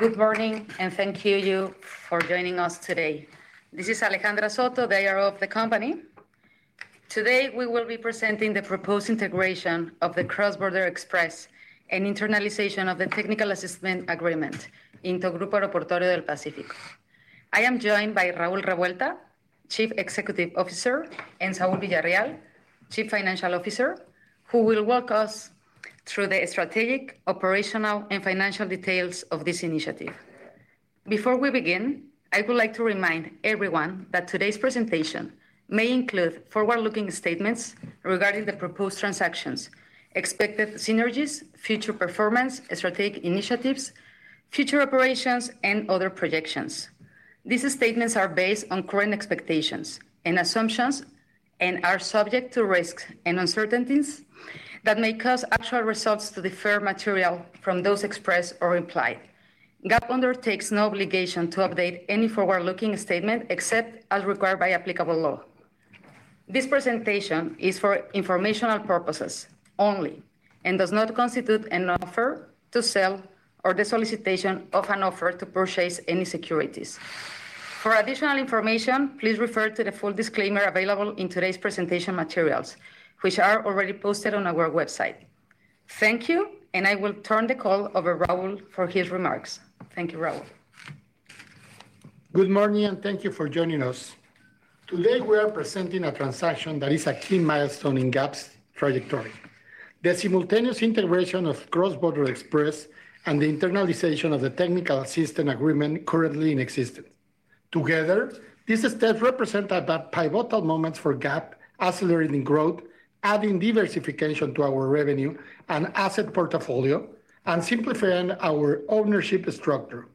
Good morning, and thank you for joining us today. This is Alejandra Soto, the Head of the company. Today we will be presenting the proposed integration of the Cross Border Xpress and internalization of the Technical Assistance Agreement into Grupo Aeroportuario del Pacífico. I am joined by Raúl Revuelta, Chief Executive Officer, and Saúl Villarreal, Chief Financial Officer, who will walk us through the strategic, operational, and financial details of this initiative. Before we begin, I would like to remind everyone that today's presentation may include forward-looking statements regarding the proposed transactions, expected synergies, future performance, strategic initiatives, future operations, and other projections. These statements are based on current expectations and assumptions and are subject to risks and uncertainties that may cause actual results to differ materially from those expressed or implied. GAP undertakes no obligation to update any forward-looking statement except as required by applicable law. This presentation is for informational purposes only and does not constitute an offer to sell or the solicitation of an offer to purchase any securities. For additional information, please refer to the full disclaimer available in today's presentation materials, which are already posted on our website. Thank you, and I will turn the call over to Raúl for his remarks. Thank you, Raúl. Good morning, and thank you for joining us. Today we are presenting a transaction that is a key milestone in GAP's trajectory: the simultaneous integration of Cross Border Xpress and the internalization of the Technical Assistance Agreement currently in existence. Together, these steps represent pivotal moments for GAP, accelerating growth, adding diversification to our revenue and asset portfolio, and simplifying our ownership structure.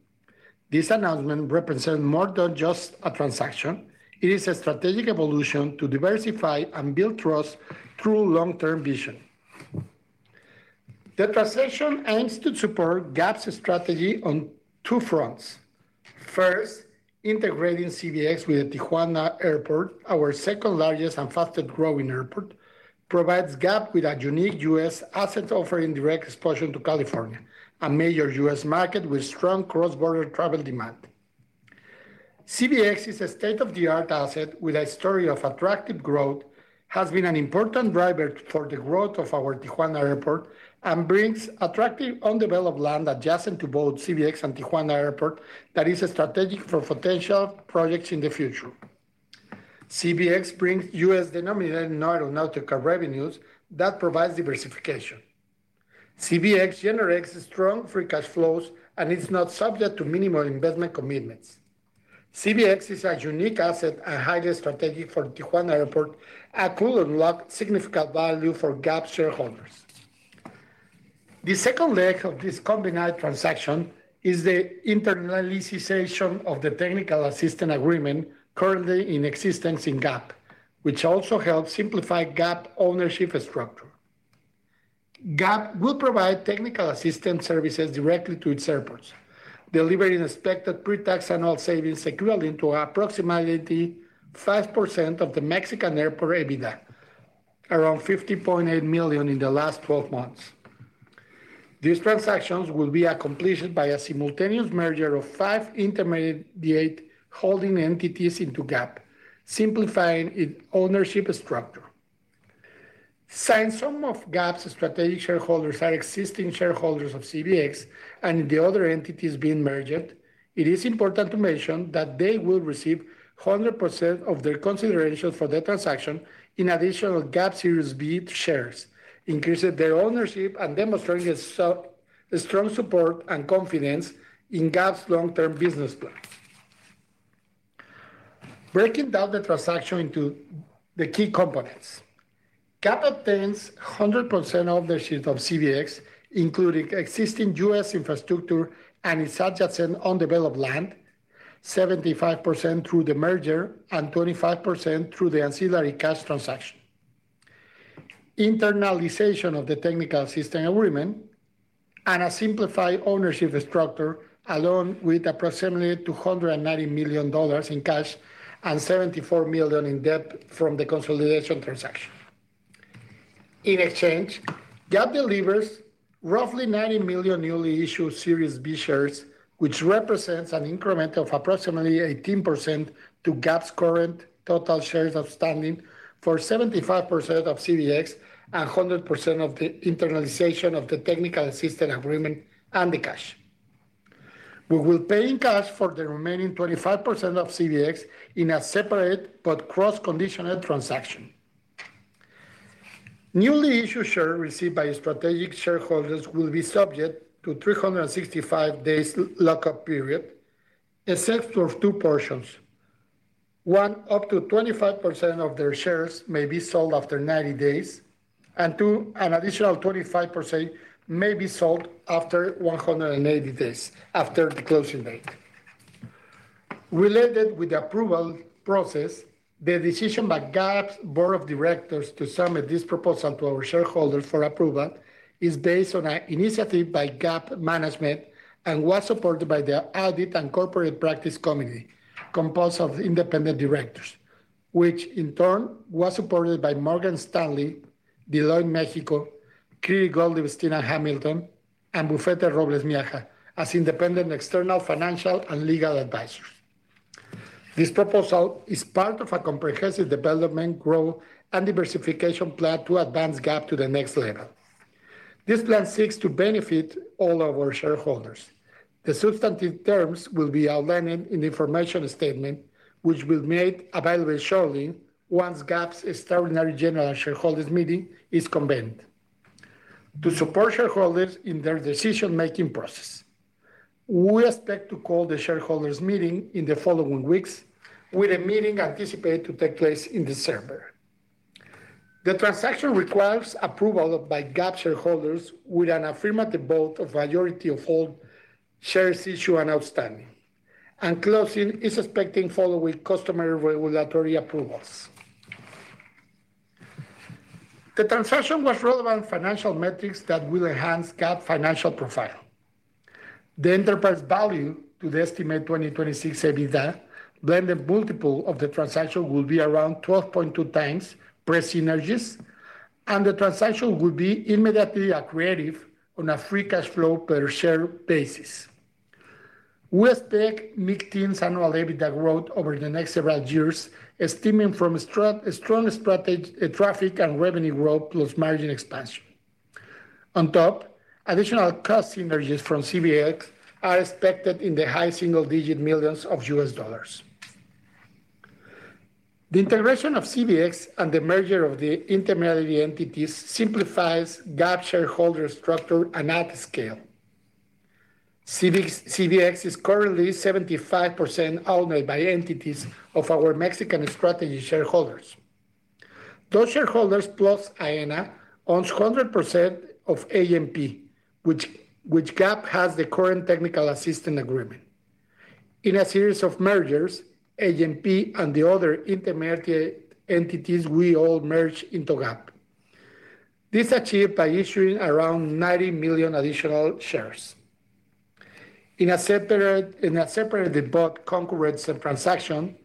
This announcement represents more than just a transaction; it is a strategic evolution to diversify and build trust through long-term vision. The transaction aims to support GAP's strategy on two fronts. First, integrating CBX with the Tijuana Airport, our second largest and fastest growing airport, provides GAP with a unique U.S. asset offer in direct exposure to California, a major U.S. market with strong cross-border travel demand. CBX is a state-of-the-art asset with a story of attractive growth, has been an important driver for the growth of our Tijuana Airport, and brings attractive undeveloped land adjacent to both CBX and Tijuana Airport that is strategic for potential projects in the future. CBX brings U.S. denominated non-aeronautical revenues that provide diversification. CBX generates strong free cash flows and is not subject to minimal investment commitments. CBX is a unique asset and highly strategic for Tijuana Airport and could unlock significant value for GAP shareholders. The second leg of this combined transaction is the internalization of the Technical Assistance Agreement currently in existence in GAP, which also helps simplify GAP ownership structure. GAP will provide technical assistance services directly to its airports, delivering expected pre-tax annual savings equivalent to approximately 5% of the Mexican airport EBITDA, around $15.8 million in the last 12 months. These transactions will be accomplished by a simultaneous merger of five intermediate holding entities into GAP, simplifying its ownership structure. Since some of GAP's strategic shareholders are existing shareholders of CBX and the other entities being merged, it is important to mention that they will receive 100% of their consideration for the transaction in addition to GAP Series B shares, increasing their ownership and demonstrating a strong support and confidence in GAP's long-term business plan. Breaking down the transaction into the key components. GAP obtains 100% ownership of CBX, including existing U.S. infrastructure and its adjacent undeveloped land, 75% through the merger and 25% through the ancillary cash transaction. Internalization of the Technical Assistance Agreement. And a simplified ownership structure along with approximately $290 million in cash and $74 million in debt from the consolidation transaction. In exchange, GAP delivers roughly 90 million newly issued Series B shares, which represents an increment of approximately 18% to GAP's current total shares outstanding for 75% of CBX and 100% of the internalization of the Technical Assistance Agreement and the cash. We will pay in cash for the remaining 25% of CBX in a separate but cross-conditional transaction. Newly issued shares received by strategic shareholders will be subject to a 365-day lock-up period. Except for two portions. One, up to 25% of their shares may be sold after 90 days, and two, an additional 25% may be sold after 180 days after the closing date. Related with the approval process, the decision by GAP's Board of Directors to submit this proposal to our shareholders for approval is based on an initiative by GAP Management and was supported by the Audit and Corporate Practice Committee composed of independent directors, which in turn was supported by Morgan Stanley, Deloitte Mexico, Cleary Gottlieb Steen & Hamilton, and Bufete Robles Miaja as independent external financial and legal advisors. This proposal is part of a comprehensive development, growth, and diversification plan to advance GAP to the next level. This plan seeks to benefit all of our shareholders. The substantive terms will be outlined in the information statement, which will be made available shortly once GAP's Extraordinary General Shareholders meeting is convened to support shareholders in their decision-making process. We expect to call the shareholders' meeting in the following weeks, with a meeting anticipated to take place in December. The transaction requires approval by GAP shareholders with an affirmative vote of the majority of all shares issued and outstanding, and closing is expected following customary regulatory approvals. The transaction with relevant financial metrics that will enhance GAP's financial profile. The enterprise value to the estimated 2026 EBITDA blended multiple of the transaction will be around 12.2x pre-synergies, and the transaction will be immediately accretive on a free cash flow per share basis. We expect mid-teens annual EBITDA growth over the next several years, estimated from strong traffic and revenue growth plus margin expansion. On top, additional cross-synergies from CBX are expected in the high single-digit millions of U.S. dollars. The integration of CBX and the merger of the intermediary entities simplifies GAP shareholder structure and adds scale. CBX is currently 75% owned by entities of our Mexican strategic shareholders. Those shareholders plus AENA own 100% of AMP, which GAP has the current Technical Assistance Agreement. In a series of mergers, AMP and the other intermediary entities were all merged into GAP. This is achieved by issuing around 90 million additional shares. In a separate but concurrent transaction,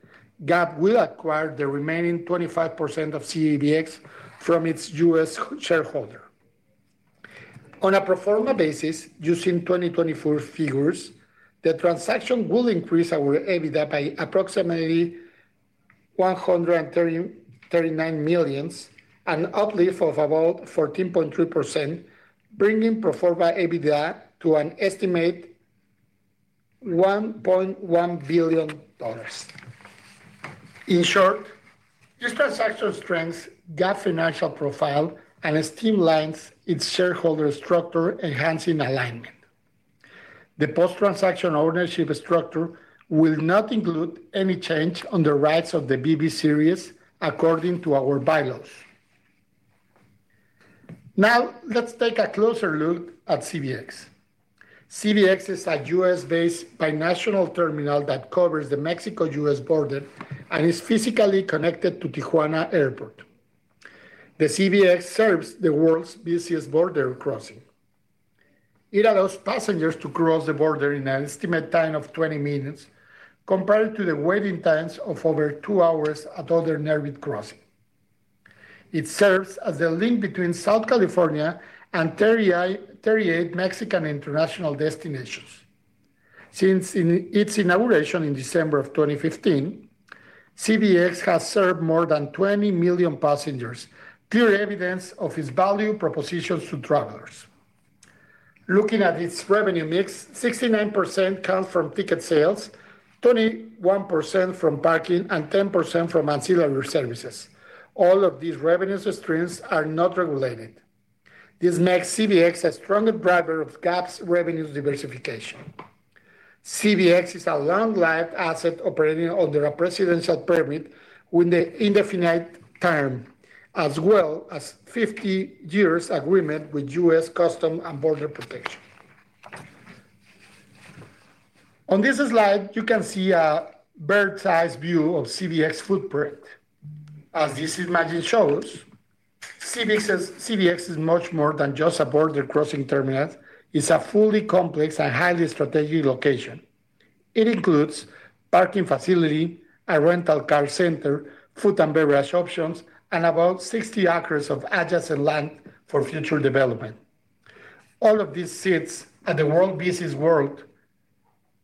GAP will acquire the remaining 25% of CBX from its U.S. shareholder. On a pro forma basis, using 2024 figures, the transaction will increase our EBITDA by approximately $139 million, an uplift of about 14.3%, bringing pro forma EBITDA to an estimated $1.1 billion. In short, this transaction strengthens GAP's financial profile and streamlines its shareholder structure, enhancing alignment. The post-transaction ownership structure will not include any change on the rights of the BB Series according to our bylaws. Now, let's take a closer look at CBX. CBX is a U.S.-based binational terminal that covers the Mexico-U.S. border and is physically connected to Tijuana Airport. The CBX serves the world's busiest border crossing. It allows passengers to cross the border in an estimated time of 20 minutes, compared to the waiting times of over two hours at other narrow crossings. It serves as the link between Southern California and 38 Mexican international destinations. Since its inauguration in December of 2015, CBX has served more than 20 million passengers, clear evidence of its value propositions to travelers. Looking at its revenue mix, 69% comes from ticket sales, 21% from parking, and 10% from ancillary services. All of these revenue streams are not regulated. This makes CBX a stronger driver of GAP's revenue diversification. CBX is a long-lived asset operating under a Presidential Permit with an indefinite term, as well as a 50-year agreement with U.S. Customs and Border Protection. On this slide, you can see a bird's-eye view of CBX's footprint. As this image shows, CBX is much more than just a border crossing terminal. It's a fully complex and highly strategic location. It includes a parking facility, a rental car center, food and beverage options, and about 60 acres of adjacent land for future development. All of this sits at the world's busiest border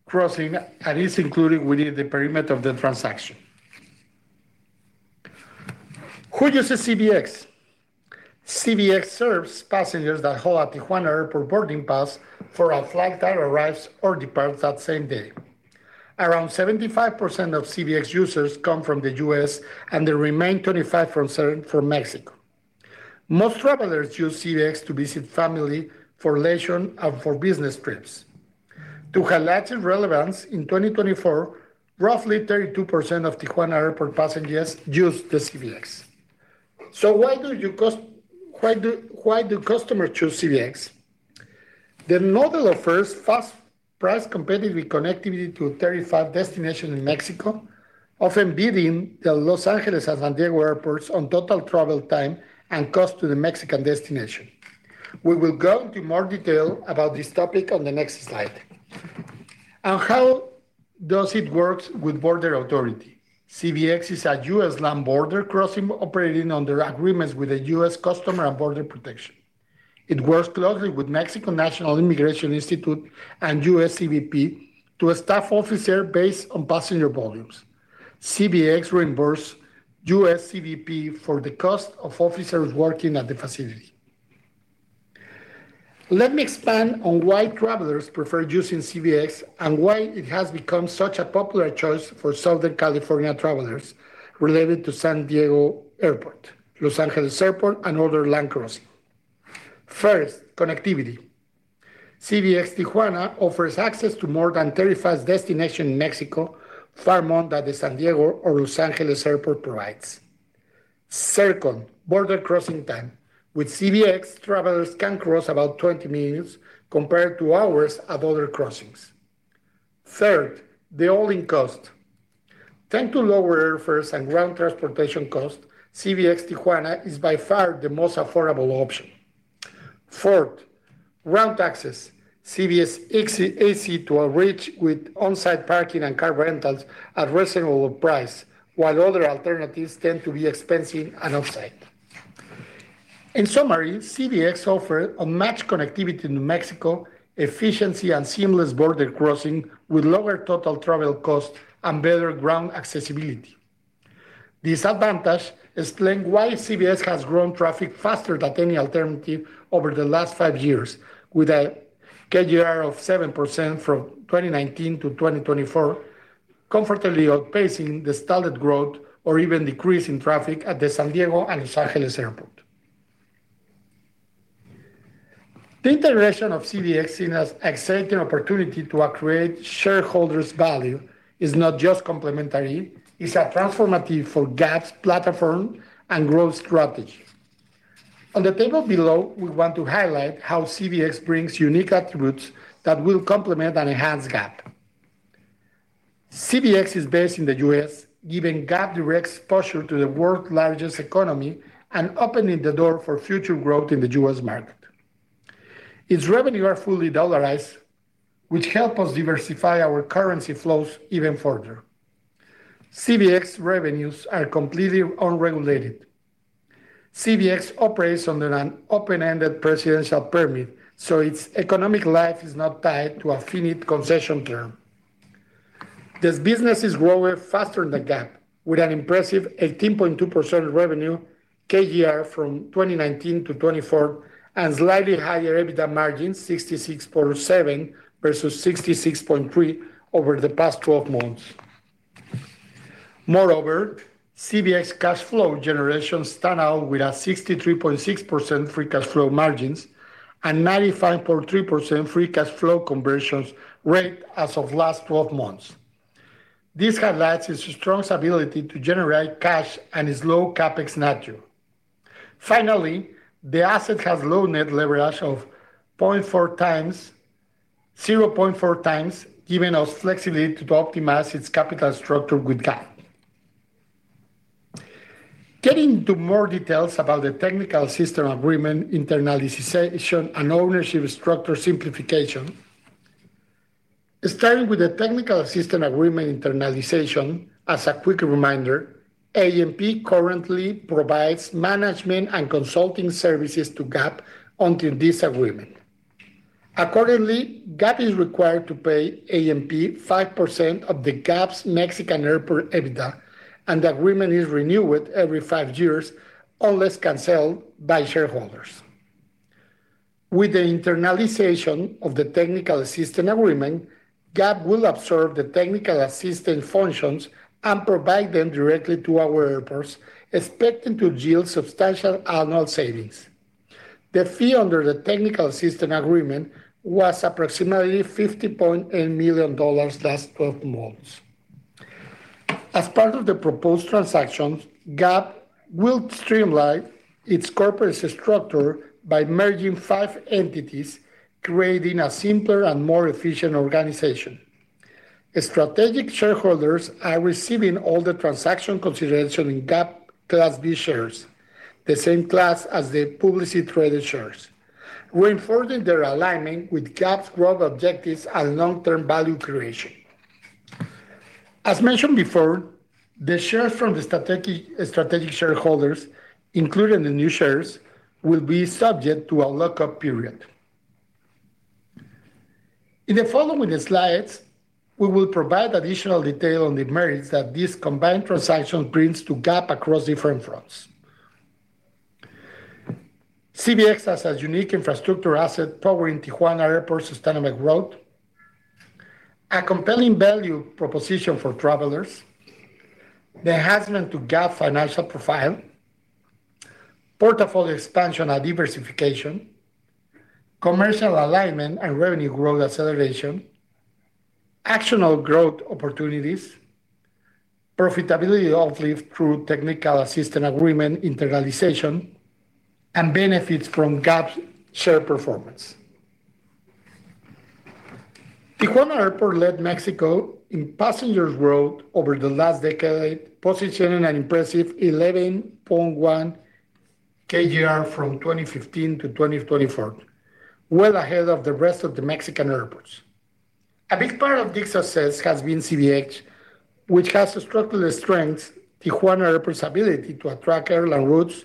crossing and is included within the perimeter of the transaction. Who uses CBX? CBX serves passengers that hold a Tijuana Airport boarding pass for a flight that arrives or departs that same day. Around 75% of CBX users come from the U.S., and the remaining 25% from Mexico. Most travelers use CBX to visit family for leisure and for business trips. To highlight its relevance, in 2024, roughly 32% of Tijuana Airport passengers used CBX. So why do customers choose CBX? The model offers fast, price-competitive connectivity to 35 destinations in Mexico, often beating the Los Angeles and San Diego Airports on total travel time and cost to the Mexican destination. We will go into more detail about this topic on the next slide. And how does it work with Border Authority? CBX is a U.S. land border crossing operating under agreements with the U.S. Customs and Border Protection. It works closely with Mexico National Immigration Institute and U.S. CBP to staff officers based on passenger volumes. CBX reimburses U.S. CBP for the cost of officers working at the facility. Let me expand on why travelers prefer using CBX and why it has become such a popular choice for Southern California travelers related to San Diego Airport, Los Angeles Airport, and other land crossing. First, connectivity. CBX Tijuana offers access to more than 35 destinations in Mexico, far more than the San Diego or Los Angeles Airport provides. Second, border crossing time. With CBX, travelers can cross about 20 minutes compared to hours at other crossings. Third, the all-in cost. Thanks to lower airfares and ground transportation costs, CBX Tijuana is by far the most affordable option. Fourth, ground access. CBX accesses a bridge with on-site parking and car rentals at reasonable price, while other alternatives tend to be expensive and upscale. In summary, CBX offers unmatched connectivity in Mexico, efficiency, and seamless border crossing with lower total travel costs and better ground accessibility. This advantage explains why CBX has grown traffic faster than any alternative over the last five years, with a CAGR of 7% from 2019 to 2024. Comfortably outpacing the stalled growth or even decrease in traffic at the San Diego and Los Angeles Airport. The integration of CBX is an exciting opportunity to accretive shareholders' value. It's not just complementary. It's a transformative for GAP's platform and growth strategy. On the table below, we want to highlight how CBX brings unique attributes that will complement and enhance GAP. CBX is based in the U.S., giving GAP direct exposure to the world's largest economy and opening the door for future growth in the U.S. market. Its revenues are fully dollarized, which helps us diversify our currency flows even further. CBX revenues are completely unregulated. CBX operates under an open-ended Presidential Permit, so its economic life is not tied to a finite concession term. The business is growing faster than GAP, with an impressive 18.2% revenue CAGR from 2019 to 2024 and slightly higher EBITDA margins, 66.7% versus 66.3% over the past 12 months. Moreover, CBX cash flow generations stand out with a 63.6% free cash flow margins and 95.3% free cash flow conversion rate as of last 12 months. This highlights its strong ability to generate cash and its low CapEx nature. Finally, the asset has low net leverage of 0.4 times. Giving us flexibility to optimize its capital structure with GAP. Getting into more details about the technical assistance agreement internalization and ownership structure simplification. Starting with the technical assistance agreement internalization, as a quick reminder, AMP currently provides management and consulting services to GAP until this agreement. Accordingly, GAP is required to pay AMP 5% of GAP's Mexican Airport EBITDA, and the agreement is renewed every five years unless canceled by shareholders. With the internalization of the technical assistance agreement, GAP will absorb the technical assistance functions and provide them directly to our airports, expecting to yield substantial annual savings. The fee under the technical assistance agreement was approximately $50.8 million last 12 months. As part of the proposed transaction, GAP will streamline its corporate structure by merging five entities, creating a simpler and more efficient organization. Strategic shareholders are receiving all the transaction consideration in GAP Class B shares, the same class as the publicly traded shares, reinforcing their alignment with GAP's growth objectives and long-term value creation. As mentioned before, the shares from the strategic shareholders, including the new shares, will be subject to a lock-up period. In the following slides, we will provide additional detail on the merits that this combined transaction brings to GAP across different fronts. CBX has a unique infrastructure asset powering Tijuana Airport's sustainable growth. A compelling value proposition for travelers. The enhancement to GAP's financial profile. Portfolio expansion and diversification. Commercial alignment and revenue growth acceleration. Actionable growth opportunities. Profitability uplift through technical assistance agreement internalization and benefits from GAP's share performance. Tijuana Airport led Mexico in passengers' growth over the last decade, posting an impressive 11.1% CAGR from 2015 to 2024, well ahead of the rest of the Mexican airports. A big part of this success has been CBX, which has stuck to the strengths of Tijuana Airport's ability to attract airline routes,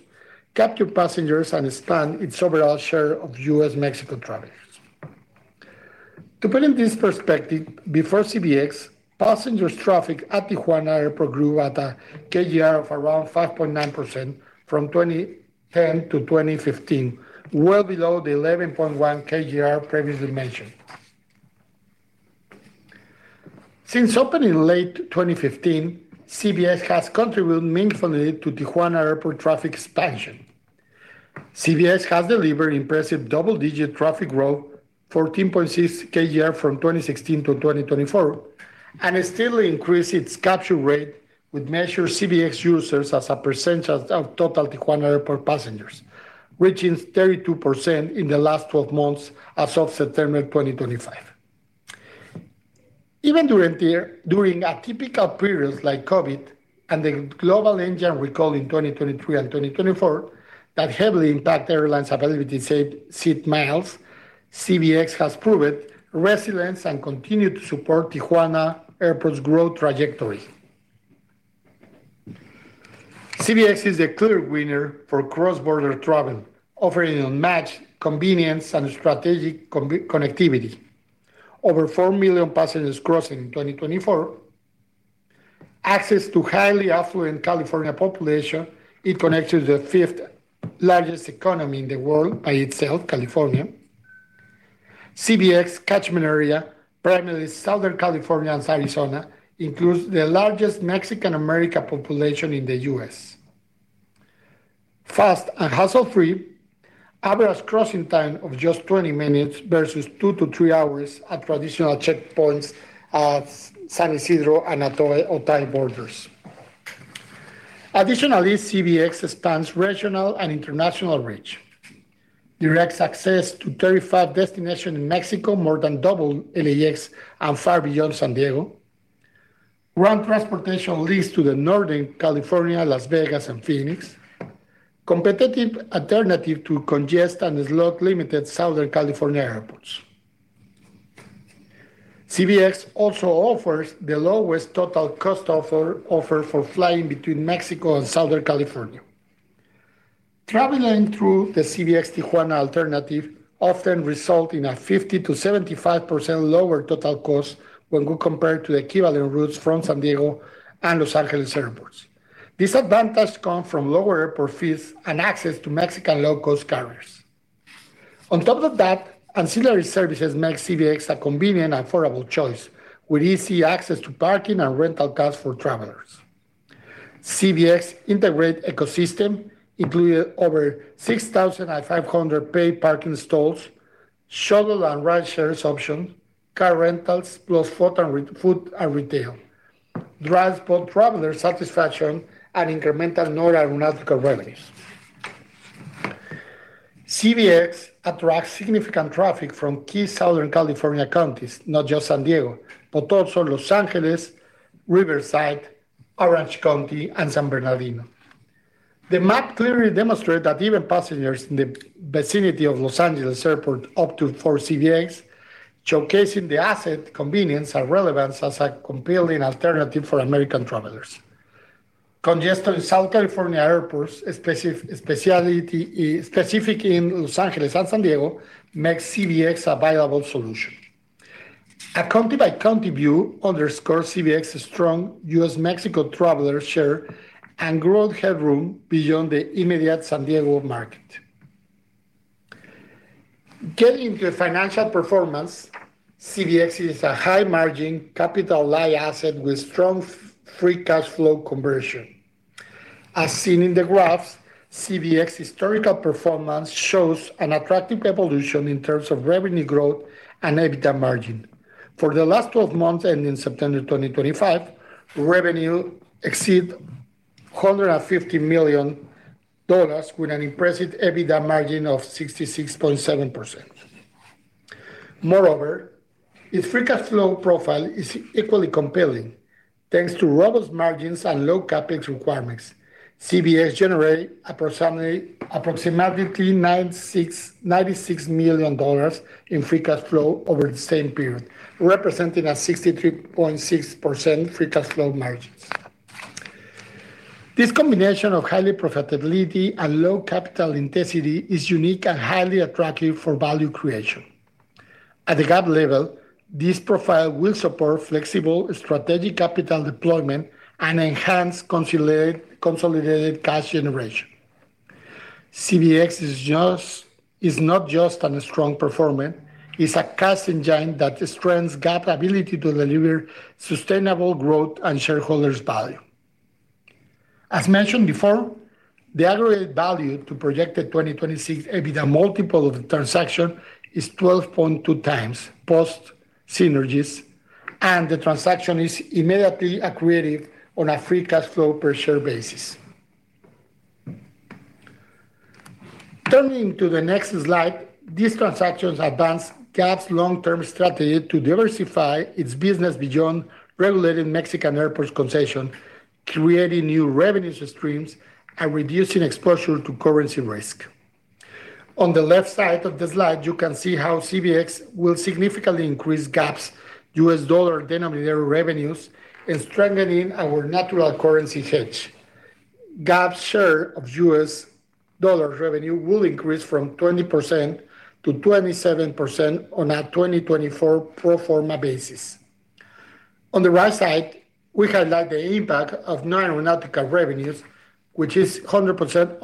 capture passengers, and expand its overall share of U.S.-Mexico travelers. To put it in this perspective, before CBX, passengers' traffic at Tijuana Airport grew at a CAGR of around 5.9% from 2010 to 2015, well below the 11.1% CAGR previously mentioned. Since opening late 2015, CBX has contributed meaningfully to Tijuana Airport traffic expansion. CBX has delivered impressive double-digit traffic growth, 14.6% CAGR from 2016 to 2024, and steadily increased its capture rate with measured CBX users as a percentage of total Tijuana Airport passengers, reaching 32% in the last 12 months as of September 2025. Even during a typical period like COVID and the global engine recall in 2023 and 2024 that heavily impacted airlines' availability seat miles, CBX has proved resilient and continued to support Tijuana Airport's growth trajectory. CBX is a clear winner for cross-border travel, offering unmatched convenience and strategic connectivity. Over 4 million passengers crossing in 2024. Access to highly affluent California population. It connects to the fifth-largest economy in the world by itself, California. CBX catchment area, primarily Southern California and Arizona, includes the largest Mexican-American population in the U.S. Fast and hassle-free, average crossing time of just 20 minutes versus 2-3 hours at traditional checkpoints at San Ysidro and Otay borders. Additionally, CBX expands regional and international reach. Direct access to 35 destinations in Mexico, more than double LAX, and far beyond San Diego. Ground transportation leads to Northern California, Las Vegas, and Phoenix. A competitive alternative to congested and slot-limited Southern California airports. CBX also offers the lowest total cost offer for flying between Mexico and Southern California. Traveling through the CBX Tijuana alternative often results in a 50%-75% lower total cost when compared to the equivalent routes from San Diego and Los Angeles airports. This advantage comes from lower airport fees and access to Mexican low-cost carriers. On top of that, ancillary services make CBX a convenient and affordable choice, with easy access to parking and rental cars for travelers. CBX's integrated ecosystem includes over 6,500 paid parking stalls, shuttle and rideshare options, car rentals, plus food and retail. Drives both traveler satisfaction and incremental non-aeronautical revenues. CBX attracts significant traffic from key Southern California counties, not just San Diego, but also Los Angeles, Riverside, Orange County, and San Bernardino. The map clearly demonstrates that even passengers in the vicinity of Los Angeles Airport opt for CBX, showcasing the asset convenience and relevance as a compelling alternative for American travelers. Congested Southern California airports, specifically in Los Angeles and San Diego, make CBX a viable solution. A county-by-county view underscores CBX's strong U.S.-Mexico traveler share and growth headroom beyond the immediate San Diego market. Getting into financial performance, CBX is a high-margin capital-like asset with strong free cash flow conversion. As seen in the graphs, CBX's historical performance shows an attractive evolution in terms of revenue growth and EBITDA margin. For the last 12 months and in September 2025, revenue exceeded $150 million with an impressive EBITDA margin of 66.7%. Moreover, its free cash flow profile is equally compelling. Thanks to robust margins and low CapEx requirements, CBX generated approximately $96 million in free cash flow over the same period, representing a 63.6% free cash flow margin. This combination of high profitability and low capital intensity is unique and highly attractive for value creation. At the GAP level, this profile will support flexible strategic capital deployment and enhance consolidated cash generation. CBX is not just a strong performer; it's a cash engine that strengthens GAP's ability to deliver sustainable growth and shareholders' value. As mentioned before, the aggregated value to projected 2026 EBITDA multiple of the transaction is 12.2x post synergies, and the transaction is immediately accretive on a free cash flow per share basis. Turning to the next slide, these transactions advance GAP's long-term strategy to diversify its business beyond regulated Mexican airports concession, creating new revenue streams and reducing exposure to currency risk. On the left side of the slide, you can see how CBX will significantly increase GAP's U.S. dollar denominated revenues and strengthen our natural currency hedge. GAP's share of U.S. dollar revenue will increase from 20%-27% on a 2024 pro forma basis. On the right side, we highlight the impact of non-aeronautical revenues, which is 100%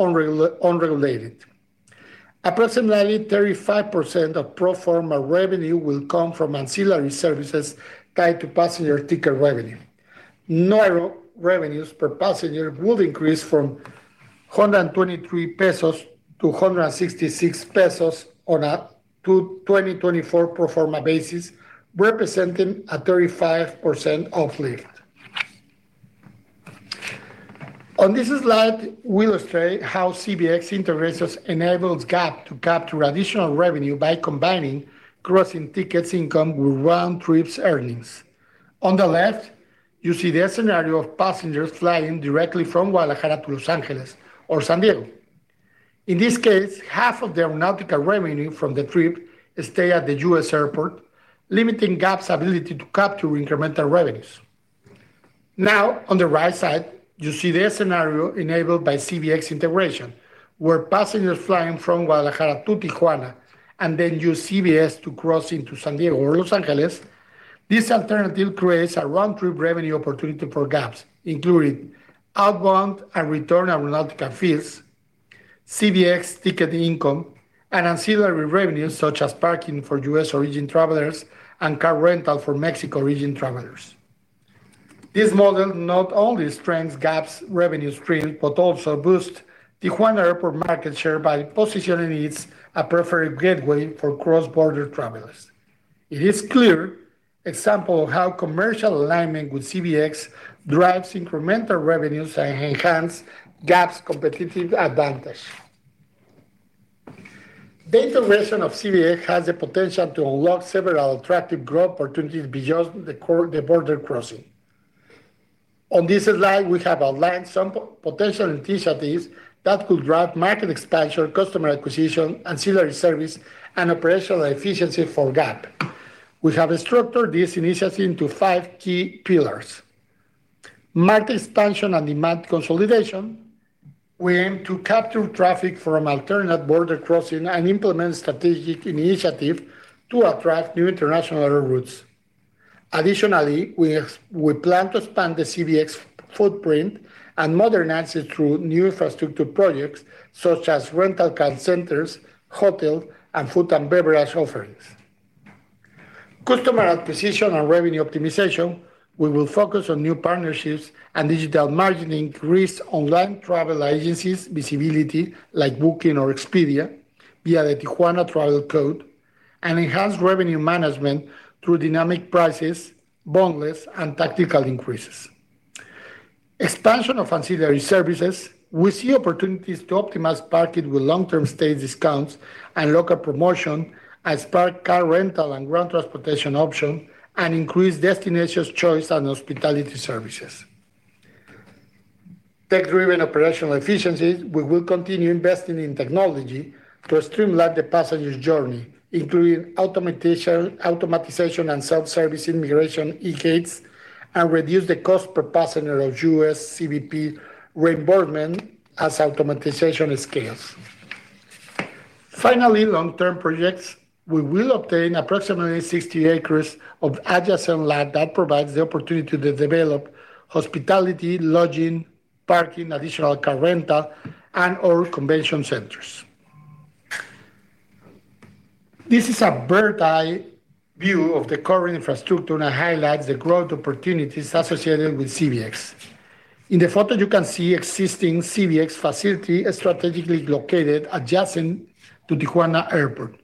unregulated. Approximately 35% of pro forma revenue will come from ancillary services tied to passenger ticket revenue. Non-aeronautical revenues per passenger will increase from $123-$166 on a 2024 pro forma basis, representing a 35% uplift. On this slide, we illustrate how CBX's integration enables GAP to capture additional revenue by combining crossing tickets income with round-trip earnings. On the left, you see the scenario of passengers flying directly from Guadalajara to Los Angeles or San Diego. In this case, half of the aeronautical revenue from the trip stays at the U.S. airport, limiting GAP's ability to capture incremental revenues. Now, on the right side, you see the scenario enabled by CBX integration, where passengers flying from Guadalajara to Tijuana and then use CBX to cross into San Diego or Los Angeles. This alternative creates a round-trip revenue opportunity for GAP, including outbound and return aeronautical fees, CBX ticket income, and ancillary revenues such as parking for U.S.-origin travelers and car rental for Mexico-origin travelers. This model not only strengthens GAP's revenue stream, but also boosts Tijuana Airport market share by positioning it as a preferred gateway for cross-border travelers. It is a clear example of how commercial alignment with CBX drives incremental revenues and enhances GAP's competitive advantage. The integration of CBX has the potential to unlock several attractive growth opportunities beyond the border crossing. On this slide, we have outlined some potential initiatives that could drive market expansion, customer acquisition, ancillary service, and operational efficiency for GAP. We have structured this initiative into five key pillars. Market expansion and demand consolidation. We aim to capture traffic from alternate border crossings and implement strategic initiatives to attract new international routes. Additionally, we plan to expand the CBX footprint and modernize it through new infrastructure projects such as rental car centers, hotels, and food and beverage offerings. Customer acquisition and revenue optimization. We will focus on new partnerships and digital marketing to increase online travel agency visibility like Booking or Expedia via the Tijuana Travel Code and enhance revenue management through dynamic prices, bonuses, and tactical increases. Expansion of ancillary services. We see opportunities to optimize parking with long-term stay discounts and local promotion and park car rental and ground transportation options and increase destination choice and hospitality services. Tech-driven operational efficiencies. We will continue investing in technology to streamline the passenger journey, including automation and self-service immigration e-gates and reduce the cost per passenger of U.S. CBP reimbursement as automation scales. Finally, long-term projects. We will obtain approximately 60 acres of adjacent land that provides the opportunity to develop hospitality, lodging, parking, additional car rental, and/or convention centers. This is a bird's-eye view of the current infrastructure and highlights the growth opportunities associated with CBX. In the photo, you can see existing CBX facilities strategically located adjacent to Tijuana Airport.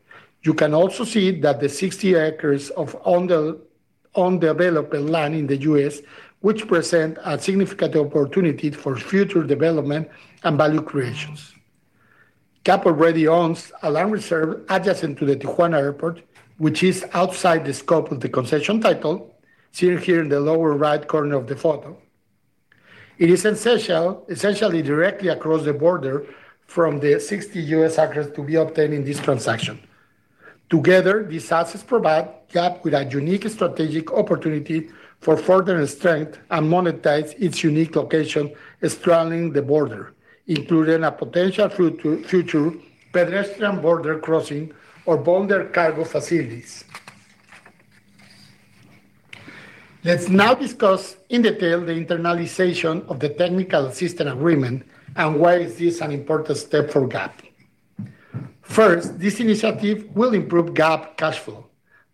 You can also see that the 60 acres of undeveloped land in the U.S., which presents a significant opportunity for future development and value creation. GAP already owns a land reserve adjacent to the Tijuana Airport, which is outside the scope of the concession title, seen here in the lower right corner of the photo. It is essentially directly across the border from the 60 U.S. acres to be obtained in this transaction. Together, these assets provide GAP with a unique strategic opportunity for further strengthen and monetize its unique location straddling the border, including a potential future pedestrian border crossing or boundary cargo facilities. Let's now discuss in detail the internalization of the Technical Assistance Agreement and why this is an important step for GAP. First, this initiative will improve GAP cash flow.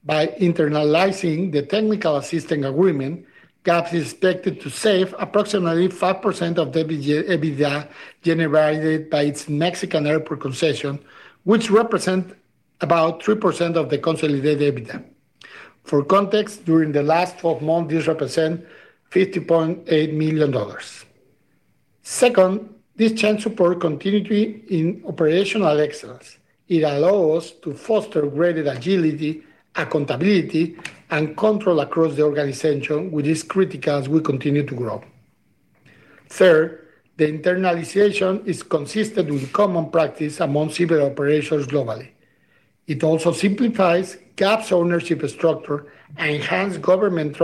By internalizing the Technical Assistance Agreement, GAP is expected to save approximately 5% of the EBITDA generated by its Mexican airport concession, which represents about 3% of the consolidated EBITDA. For context, during the last 12 months, this represents $50.8 million. Second, this change supports continuity in operational excellence. It allows us to foster greater agility, accountability, and control across the organization, which is critical as we continue to grow. Third, the internalization is consistent with common practice among civil operations globally. It also simplifies GAP's ownership structure and enhances governance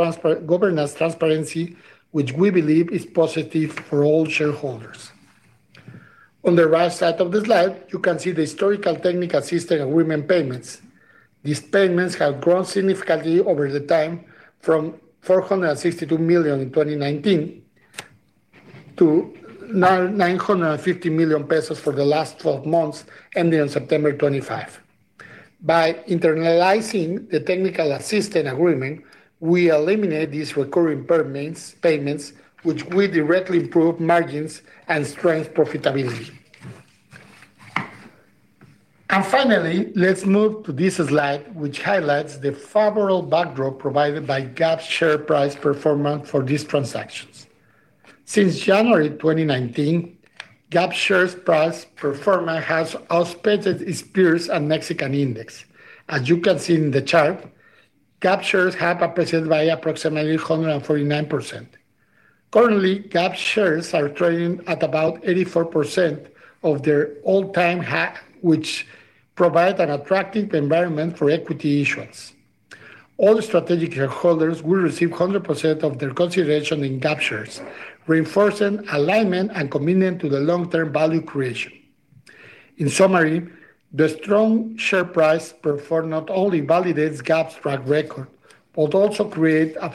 transparency, which we believe is positive for all shareholders. On the right side of the slide, you can see the historical technical assistance agreement payments. These payments have grown significantly over time, from $462 million in 2019 to $950 million for the last 12 months ending on September 25. By internalizing the technical assistance agreement, we eliminate these recurring payments, which will directly improve margins and strengthen profitability. And finally, let's move to this slide, which highlights the favorable backdrop provided by GAP's share price performance for these transactions. Since January 2019, GAP shares' price performance has outpaced its peers and Mexican index. As you can see in the chart, GAP shares have appreciated by approximately 149%. Currently, GAP shares are trading at about 84% of their all-time high, which provides an attractive environment for equity issuance. All strategic shareholders will receive 100% of their consideration in GAP shares, reinforcing alignment and commitment to the long-term value creation. In summary, the strong share price performance not only validates GAP's track record, but also creates a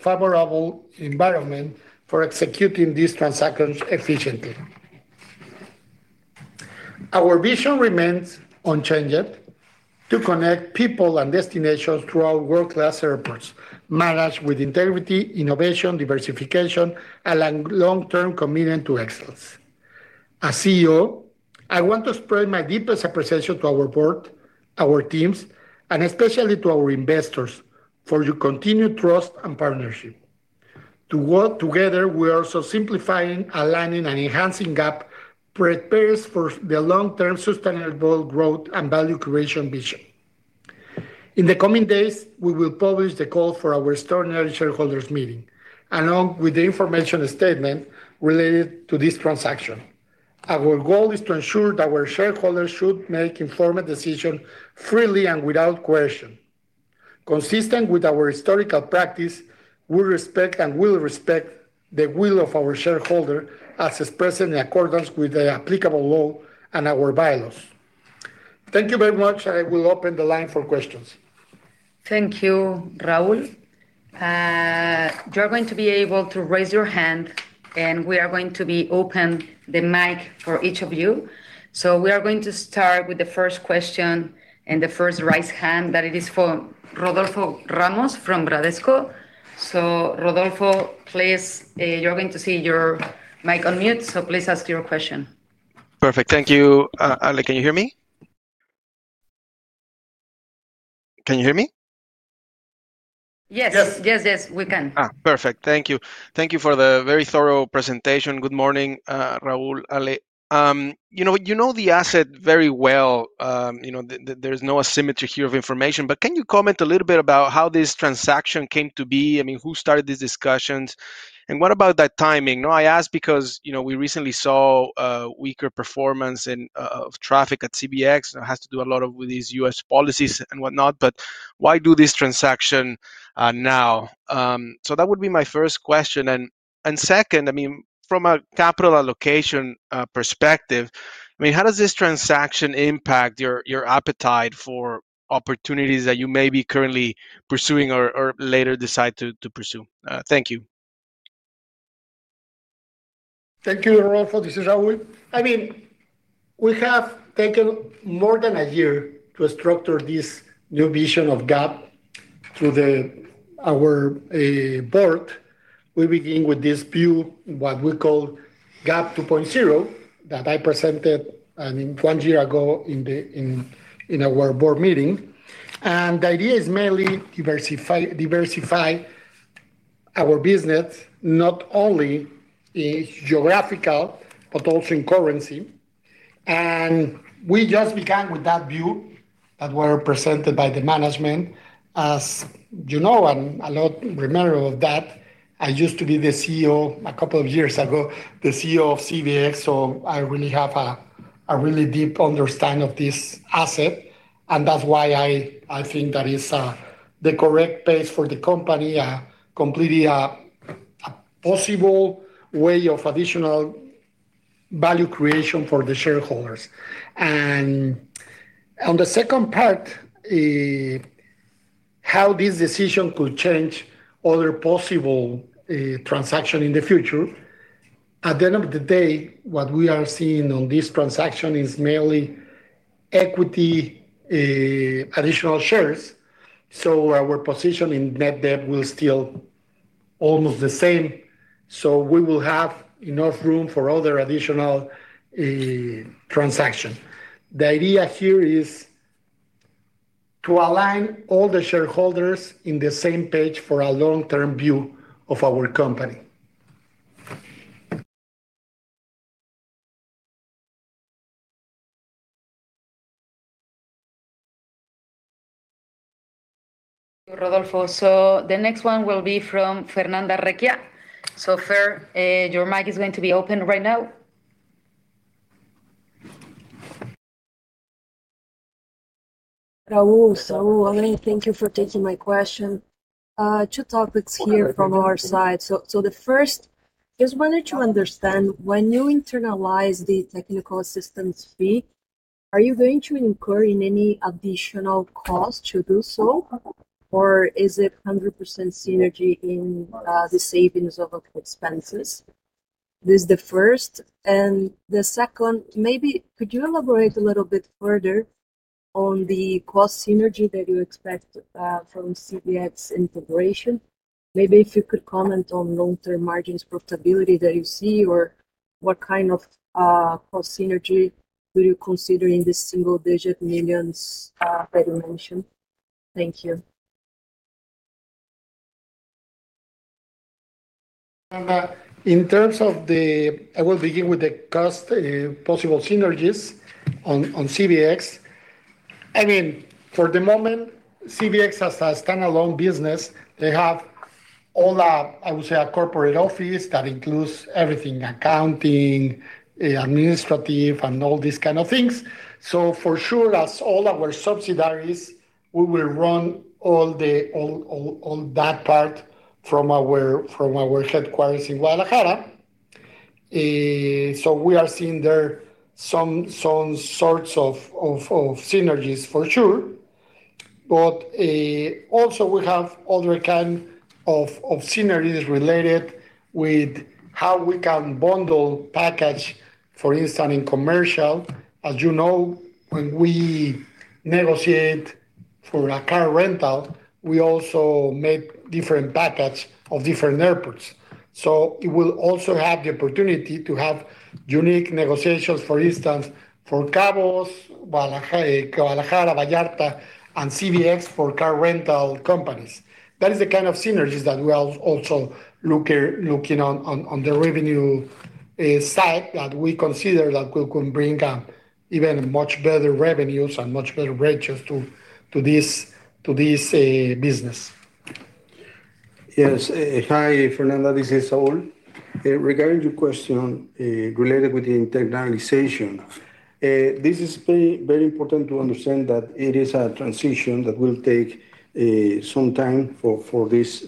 favorable environment for executing these transactions efficiently. Our vision remains unchanged: to connect people and destinations throughout world-class airports, managed with integrity, innovation, diversification, and a long-term commitment to excellence. As CEO, I want to express my deepest appreciation to our board, our teams, and especially to our investors for your continued trust and partnership. Together, we are also simplifying, aligning, and enhancing GAP's preparedness for the long-term sustainable growth and value creation vision. In the coming days, we will publish the call for our external shareholders' meeting, along with the information statement related to this transaction. Our goal is to ensure that our shareholders should make informed decisions freely and without question. Consistent with our historical practice, we respect and will respect the will of our shareholders as expressed in accordance with the applicable law and our bylaws. Thank you very much, and I will open the line for questions. Thank you, Raúl. You're going to be able to raise your hand, and we are going to open the mic for each of you. So we are going to start with the first question and the first raised hand. That is for Rodolfo Ramos from Bradesco. So Rodolfo, please, you're going to see your mic on mute, so please ask your question. Perfect. Thank you. Ale, can you hear me? Can you hear me? Yes. Yes, yes, we can. Perfect. Thank you. Thank you for the very thorough presentation. Good morning, Raúl, Ale. You know the asset very well. There's no asymmetry here of information. But can you comment a little bit about how this transaction came to be? I mean, who started these discussions? And what about that timing? I ask because we recently saw weaker performance of traffic at CBX. It has to do a lot with these U.S. policies and whatnot. But why do this transaction now? So that would be my first question. And second, I mean, from a capital allocation perspective, I mean, how does this transaction impact your appetite for opportunities that you may be currently pursuing or later decide to pursue? Thank you. Thank you, Rodolfo. This is Raúl. I mean, we have taken more than a year to structure this new vision of GAP through our Board. We begin with this view, what we call GAP 2.0, that I presented, I mean, one year ago in our board meeting. And the idea is mainly to diversify our business, not only in geographical but also in currency. And we just began with that view that was presented by the management. As you know, and a lot remember of that, I used to be the CEO a couple of years ago, the CEO of CBX. So I really have a really deep understanding of this asset. And that's why I think that is the correct pace for the company, completely a possible way of additional value creation for the shareholders. And on the second part, how this decision could change other possible transactions in the future. At the end of the day, what we are seeing on this transaction is mainly equity additional shares. So our position in net debt will still be almost the same. So we will have enough room for other additional transactions. The idea here is to align all the shareholders on the same page for a long-term view of our company. So the next one will be from Fernanda Recchia. So Fer, your mic is going to be open right now. Raúl, so thank you for taking my question. Two topics here from our side. So the first, just wanted to understand, when you internalize the technical assistance fee, are you going to incur any additional costs to do so, or is it 100% synergy in the savings of expenses? This is the first. And the second, maybe could you elaborate a little bit further on the cost synergy that you expect from CBX integration? Maybe if you could comment on long-term margins profitability that you see, or what kind of cost synergy do you consider in the single-digit millions that you mentioned? Thank you. In terms of the, I will begin with the cost possible synergies on CBX. I mean, for the moment, CBX has a standalone business. They have all, I would say, a corporate office that includes everything: accounting, administrative, and all these kinds of things. So for sure, as all our subsidiaries, we will run all that part from our headquarters in Guadalajara. So we are seeing there some sorts of synergies, for sure. But also, we have other kinds of synergies related with how we can bundle packages. For instance, in commercial, as you know, when we negotiate for a car rental, we also make different packages of different airports. So it will also have the opportunity to have unique negotiations, for instance, for Cabos, Guadalajara, Vallarta, and CBX for car rental companies. That is the kind of synergies that we are also looking on the revenue side that we consider that we can bring even much better revenues and much better ratios to this business. Yes. Hi, Fernanda. This is Saúl. Regarding your question related with the internalization, this is very important to understand that it is a transition that will take some time for this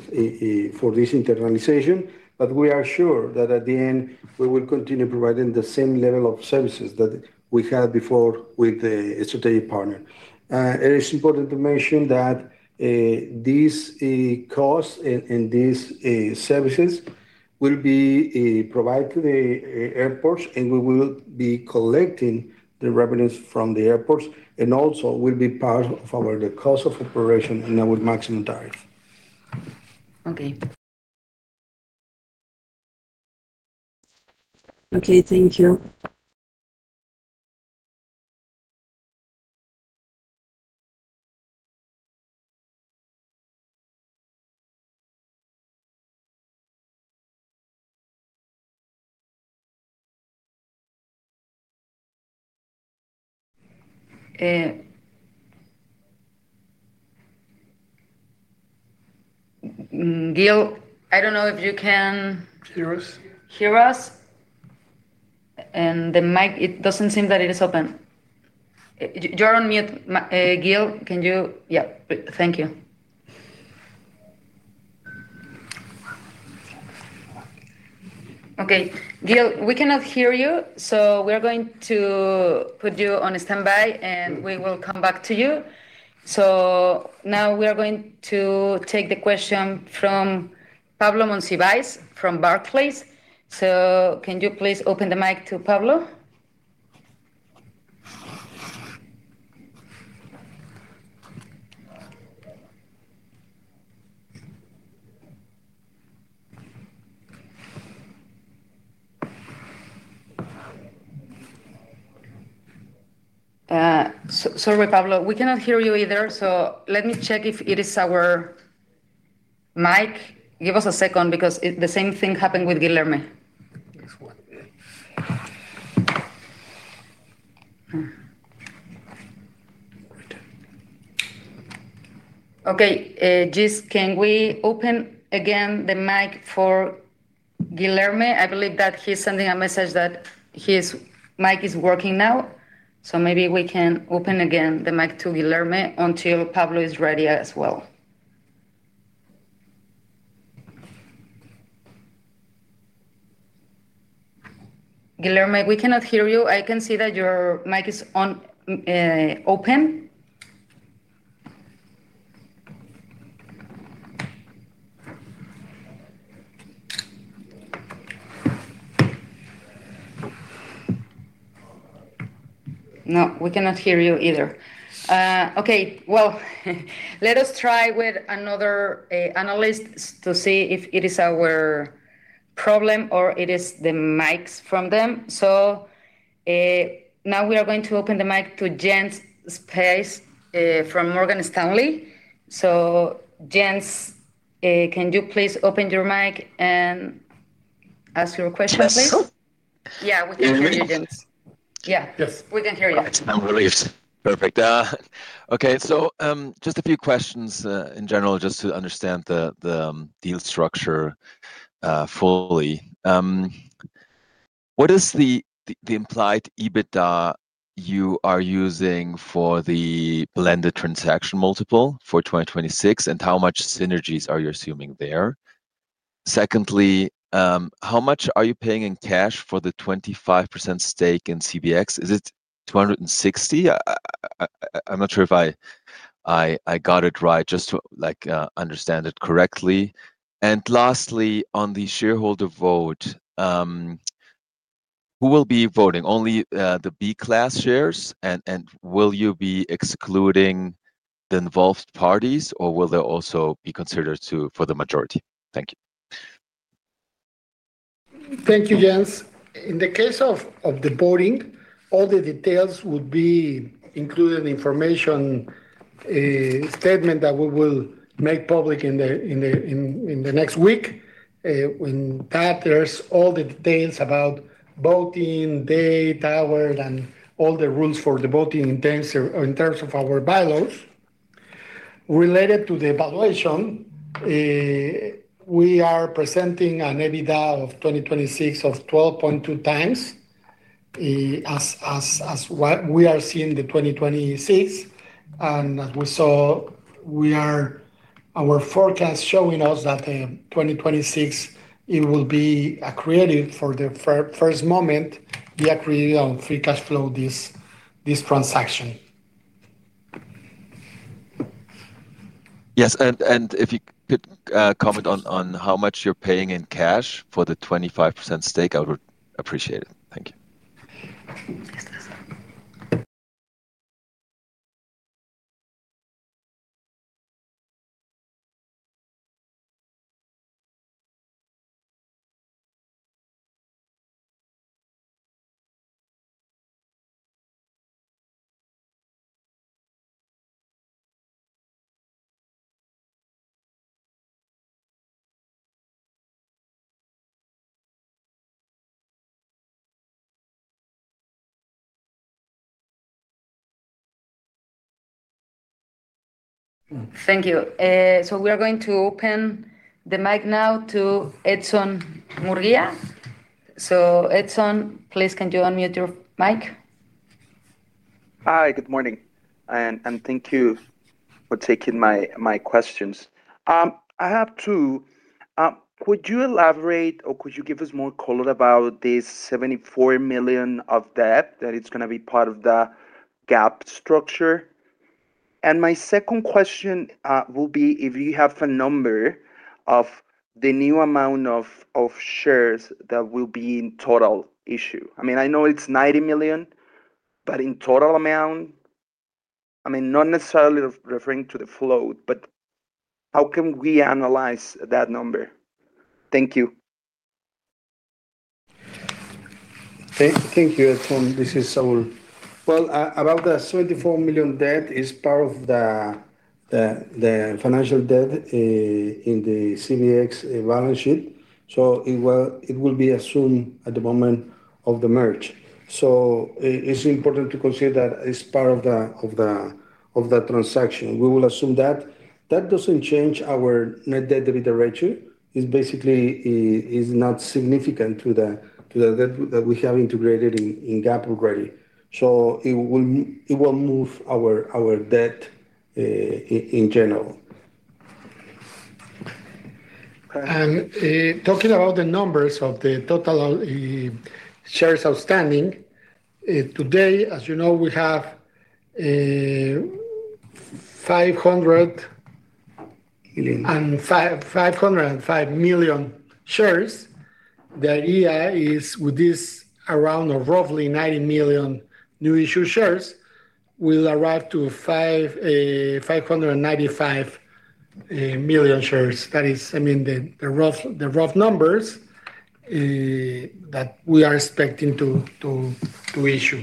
internalization. But we are sure that at the end, we will continue providing the same level of services that we had before with the strategic partner. It is important to mention that these costs and these services will be provided to the airports, and we will be collecting the revenues from the airports and also will be part of our cost of operation and our maximum tariff. Okay. Okay. Thank you. Gil, I don't know if you can hear us? Hear us? And the mic, it doesn't seem that it is open. You're on mute, Gil. Can you? Yeah. Thank you. Okay. Gil, we cannot hear you. So we are going to put you on standby, and we will come back to you. So now we are going to take the question from Pablo Monsivais from Barclays. So can you please open the mic to Pablo? Sorry, Pablo. We cannot hear you either. So let me check if it is our mic. Give us a second because the same thing happened with Guilherme. Okay. Just can we open again the mic for Guilherme? I believe that he's sending a message that his mic is working now. So maybe we can open again the mic to Guilherme until Pablo is ready as well. Guilherme, we cannot hear you. I can see that your mic is open. No, we cannot hear you either. Okay. Well, let us try with another analyst to see if it is our problem or it is the mics from them. So now we are going to open the mic to Jens Spiess from Morgan Stanley. So Jens, can you please open your mic and ask your question, please? Yeah. We can hear you, Jens. Yeah. We can hear you. It's now released. Perfect. Okay. So just a few questions in general just to understand the deal structure fully. What is the implied EBITDA you are using for the blended transaction multiple for 2026, and how much synergies are you assuming there? Secondly, how much are you paying in cash for the 25% stake in CBX? Is it 260? I'm not sure if I got it right, just to understand it correctly. And lastly, on the shareholder vote. Who will be voting? Only the B-class shares? And will you be excluding the involved parties, or will they also be considered for the majority? Thank you. Thank you, Jens. In the case of the voting, all the details would be included in the information statement that we will make public in the next week. In that, there's all the details about voting date, hour, and all the rules for the voting in terms of our bylaws. Related to the evaluation, we are presenting an EBITDA of 2026 of 12.2x. As we are seeing the 2026. And as we saw, our forecast is showing us that 2026, it will be accretive for the first moment, the accretive on free cash flow this transaction. Yes. And if you could comment on how much you're paying in cash for the 25% stake, I would appreciate it. Thank you. Thank you. So we are going to open the mic now to Edson Murguia. So Edson, please, can you unmute your mic? Hi. Good morning. And thank you for taking my questions. I have two. Could you elaborate or could you give us more color about this $74 million of debt that is going to be part of the GAP structure? And my second question will be if you have a number of the new amount of shares that will be in total issue. I mean, I know it's $90 million, but in total amount. I mean, not necessarily referring to the float, but how can we analyze that number? Thank you. Thank you, Edson. This is Saúl. Well, about the $74 million debt, it's part of the financial debt in the CBX balance sheet. So it will be assumed at the moment of the merge. So it's important to consider that it's part of the transaction. We will assume that. That doesn't change our net debt-to-EBITDA ratio. It's basically not significant to the debt that we have integrated in GAP already. So it will move our debt in general. And talking about the numbers of the total shares outstanding, today, as you know, we have 505 million shares. The idea is with this around roughly 90 million new-issue shares, we'll arrive to 595 million shares. That is, I mean, the rough numbers that we are expecting to issue.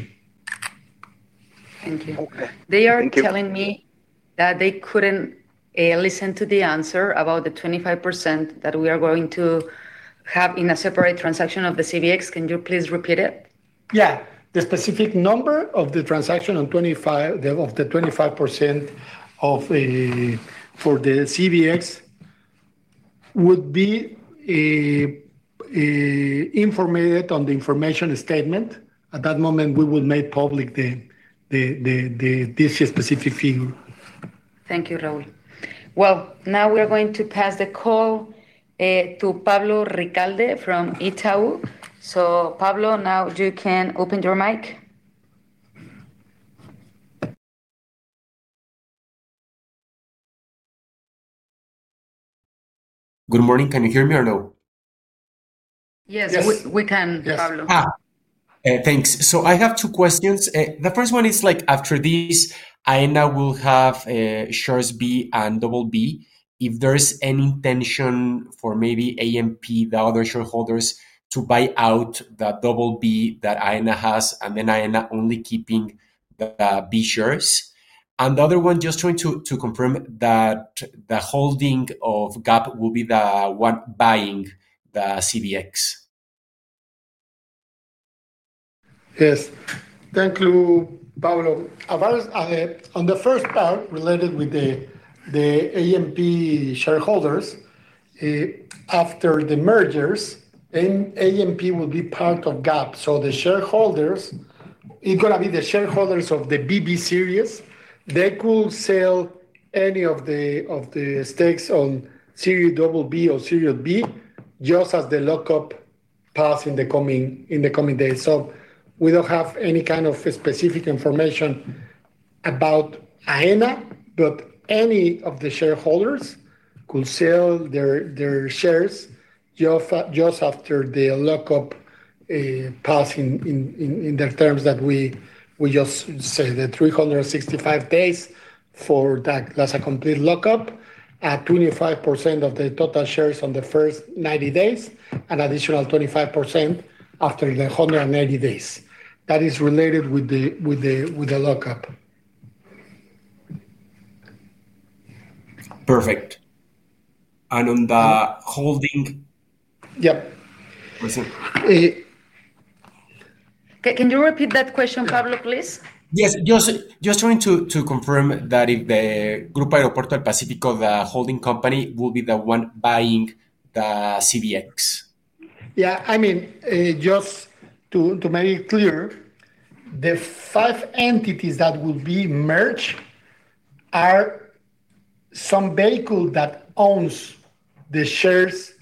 Thank you. They are telling me that they couldn't listen to the answer about the 25% that we are going to have in a separate transaction of the CBX. Can you please repeat it? Yeah. The specific number of the transaction of the 25% for the CBX would be informed on the information statement. At that moment, we will make public the this specific figure. Thank you, Raúl. Well, now we are going to pass the call to Pablo Ricalde from Itaú. So Pablo, now you can open your mic. Good morning. Can you hear me or no? Yes, we can, Pablo. Thanks. So I have two questions. The first one is after this, AENA will have shares B and BB. If there's any intention for maybe AMP, the other shareholders, to buy out the BB that AENA has, and then AENA only keeping the B shares. And the other one, just trying to confirm that the holding of GAP will be the one buying the CBX. Yes. Thank you, Pablo. On the first part related with the AMP shareholders. After the mergers, AMP will be part of GAP. So the shareholders, it's going to be the shareholders of the BB Series. They could sell any of the stakes on Series BB or Series B just as the lockup passes in the coming days. So we don't have any kind of specific information about AENA, but any of the shareholders could sell their shares just after the lockup passes in the terms that we just said, the 365 days for that complete lockup, at 25% of the total shares on the first 90 days, and additional 25% after the 180 days. That is related with the lockup. Perfect. And on the holding. Yep. Can you repeat that question, Pablo, please? Yes. Just trying to confirm that if the Grupo Aeroportuario del Pacífico, the holding company, will be the one buying the CBX. Yeah. I mean, just to make it clear. The five entities that will be merged are some vehicle that owns the shares of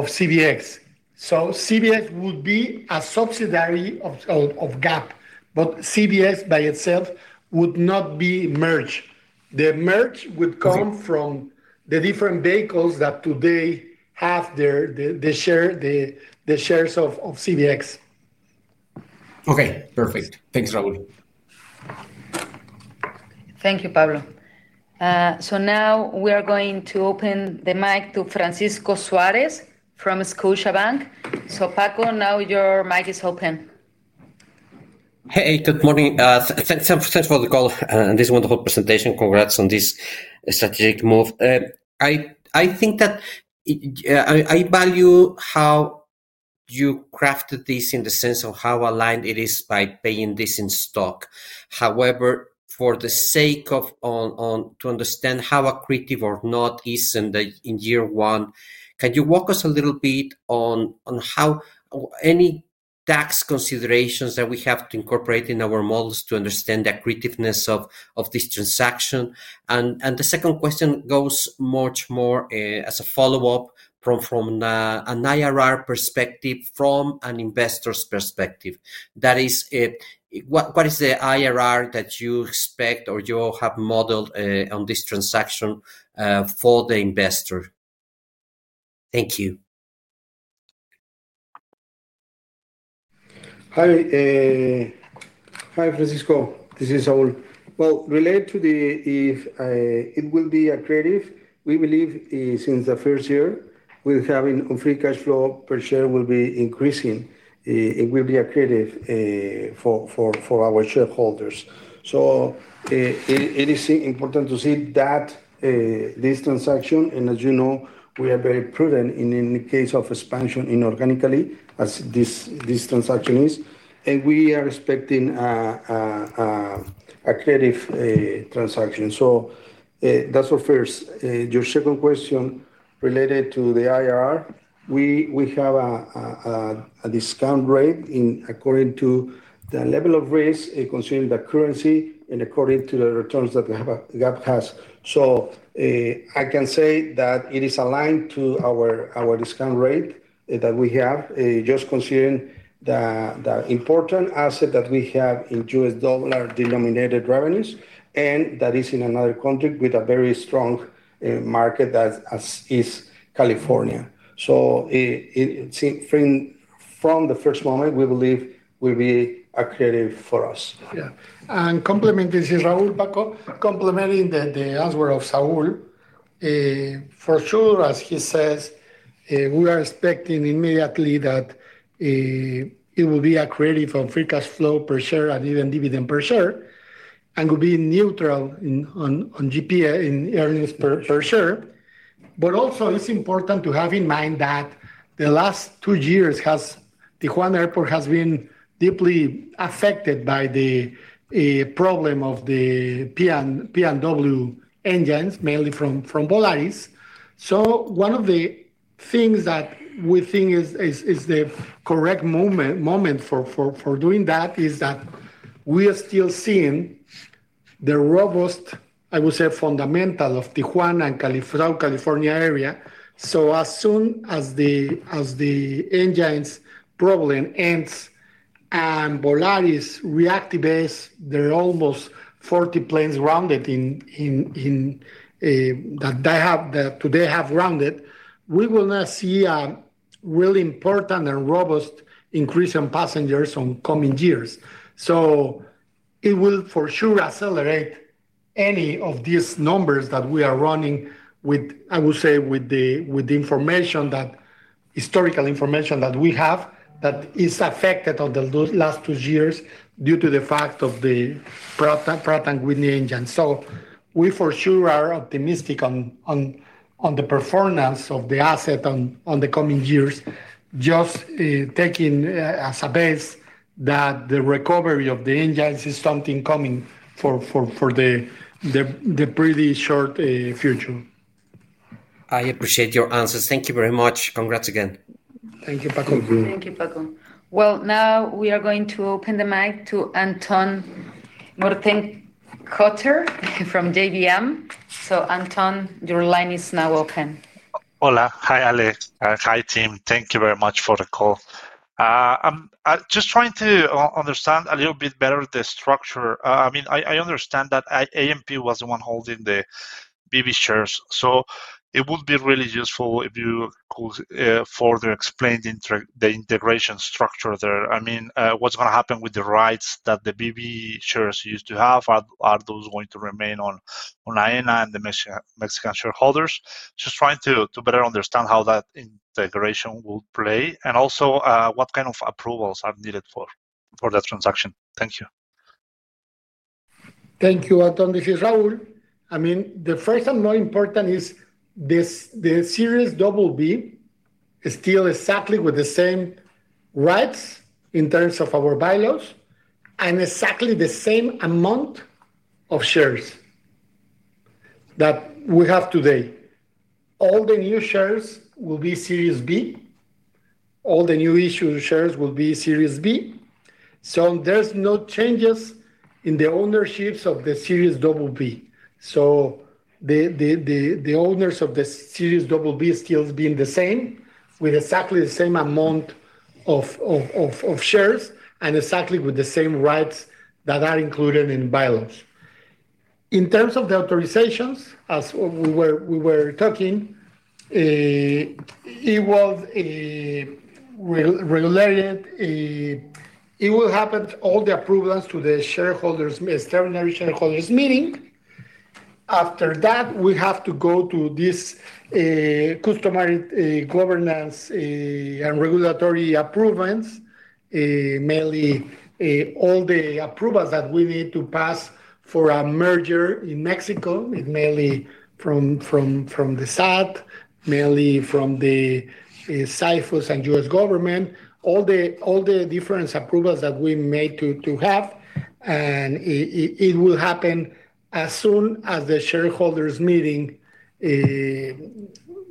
CBX. So CBX would be a subsidiary of GAP, but CBX by itself would not be merged. The merge would come from the different vehicles that today have the shares of CBX. Okay. Perfect. Thanks, Raúl. Thank you, Pablo. So now we are going to open the mic to Francisco Suarez from Scotiabank. So, Paco, now your mic is open. Hey, good morning. Thanks for the call. This is a wonderful presentation. Congrats on this strategic move. I think that I value how you crafted this in the sense of how aligned it is by paying this in stock. However, for the sake of to understand how accretive or not is in year one, can you walk us a little bit on any tax considerations that we have to incorporate in our models to understand the accretiveness of this transaction? And the second question goes much more as a follow-up from an IRR perspective, from an investor's perspective. That is what is the IRR that you expect or you have modeled on this transaction for the investor? Thank you. Hi. Hi, Francisco. This is Saúl. Well, related to the it will be accretive. We believe since the first year, we're having free cash flow per share will be increasing, and it will be accretive for our shareholders. So it is important to see that this transaction and as you know, we are very prudent in any case of expansion inorganically, as this transaction is. And we are expecting accretive transaction. So that's our first. Your second question related to the IRR, we have. A discount rate according to the level of risk, considering the currency, and according to the returns that GAP has. So I can say that it is aligned to our discount rate that we have, just considering the important asset that we have in U.S. dollar denominated revenues, and that is in another country with a very strong market that is California. So from the first moment, we believe will be accretive for us. Yeah. And complementing this is Raúl Paco, complementing the answer of Saúl. For sure, as he says, we are expecting immediately that it will be accretive on free cash flow per share and even dividend per share, and will be neutral on earnings per share. But also, it's important to have in mind that the last two years, Tijuana Airport has been deeply affected by the problem of the P&W engines, mainly from Volaris. So one of the things that we think is the correct moment for doing that is that we are still seeing the robust, I would say, fundamental of Tijuana and South California area. So as soon as the engines problem ends and Volaris reactivates their almost 40 planes grounded that they have grounded, we will not see a really important and robust increase in passengers in coming years. So it will for sure accelerate any of these numbers that we are running with, I would say, with the historical information that we have that is affected in the last two years due to the fact of the Pratt & Whitney engine. So we for sure are optimistic on the performance of the asset in the coming years, just taking as a base that the recovery of the engines is something coming for the pretty short future. I appreciate your answers. Thank you very much. Congrats again. Thank you, Paco. Thank you, Paco. Well, now we are going to open the mic to Anton Murtin Cotter from JBM. So, Anton, your line is now open. Hola. Hi, Ale. Hi, team. Thank you very much for the call. I'm just trying to understand a little bit better the structure. I mean, I understand that AENA was the one holding the BB shares. So it would be really useful if you could further explain the integration structure there. I mean, what's going to happen with the rights that the BB shares used to have? Are those going to remain on AENA and the Mexican shareholders? Just trying to better understand how that integration will play and also what kind of approvals are needed for that transaction. Thank you. Thank you, Anton. This is Raúl. I mean, the first and more important is the Series BB is still exactly with the same rights in terms of our bylaws and exactly the same amount of shares that we have today. All the new shares will be Series B. All the new-issue shares will be Series B. So there's no changes in the ownerships of the Series BB. So. The owners of the Series BB still being the same with exactly the same amount of shares and exactly with the same rights that are included in bylaws. In terms of the authorizations, as we were talking, it will happen all the approvals to the extraordinary shareholders' meeting. After that, we have to go to the customary governance and regulatory approvals. Mainly all the approvals that we need to pass for a merger in Mexico, mainly from the SAT, mainly from the COFECE and U.S. government, all the different approvals that we may have to have. And it will happen as soon as the shareholders' meeting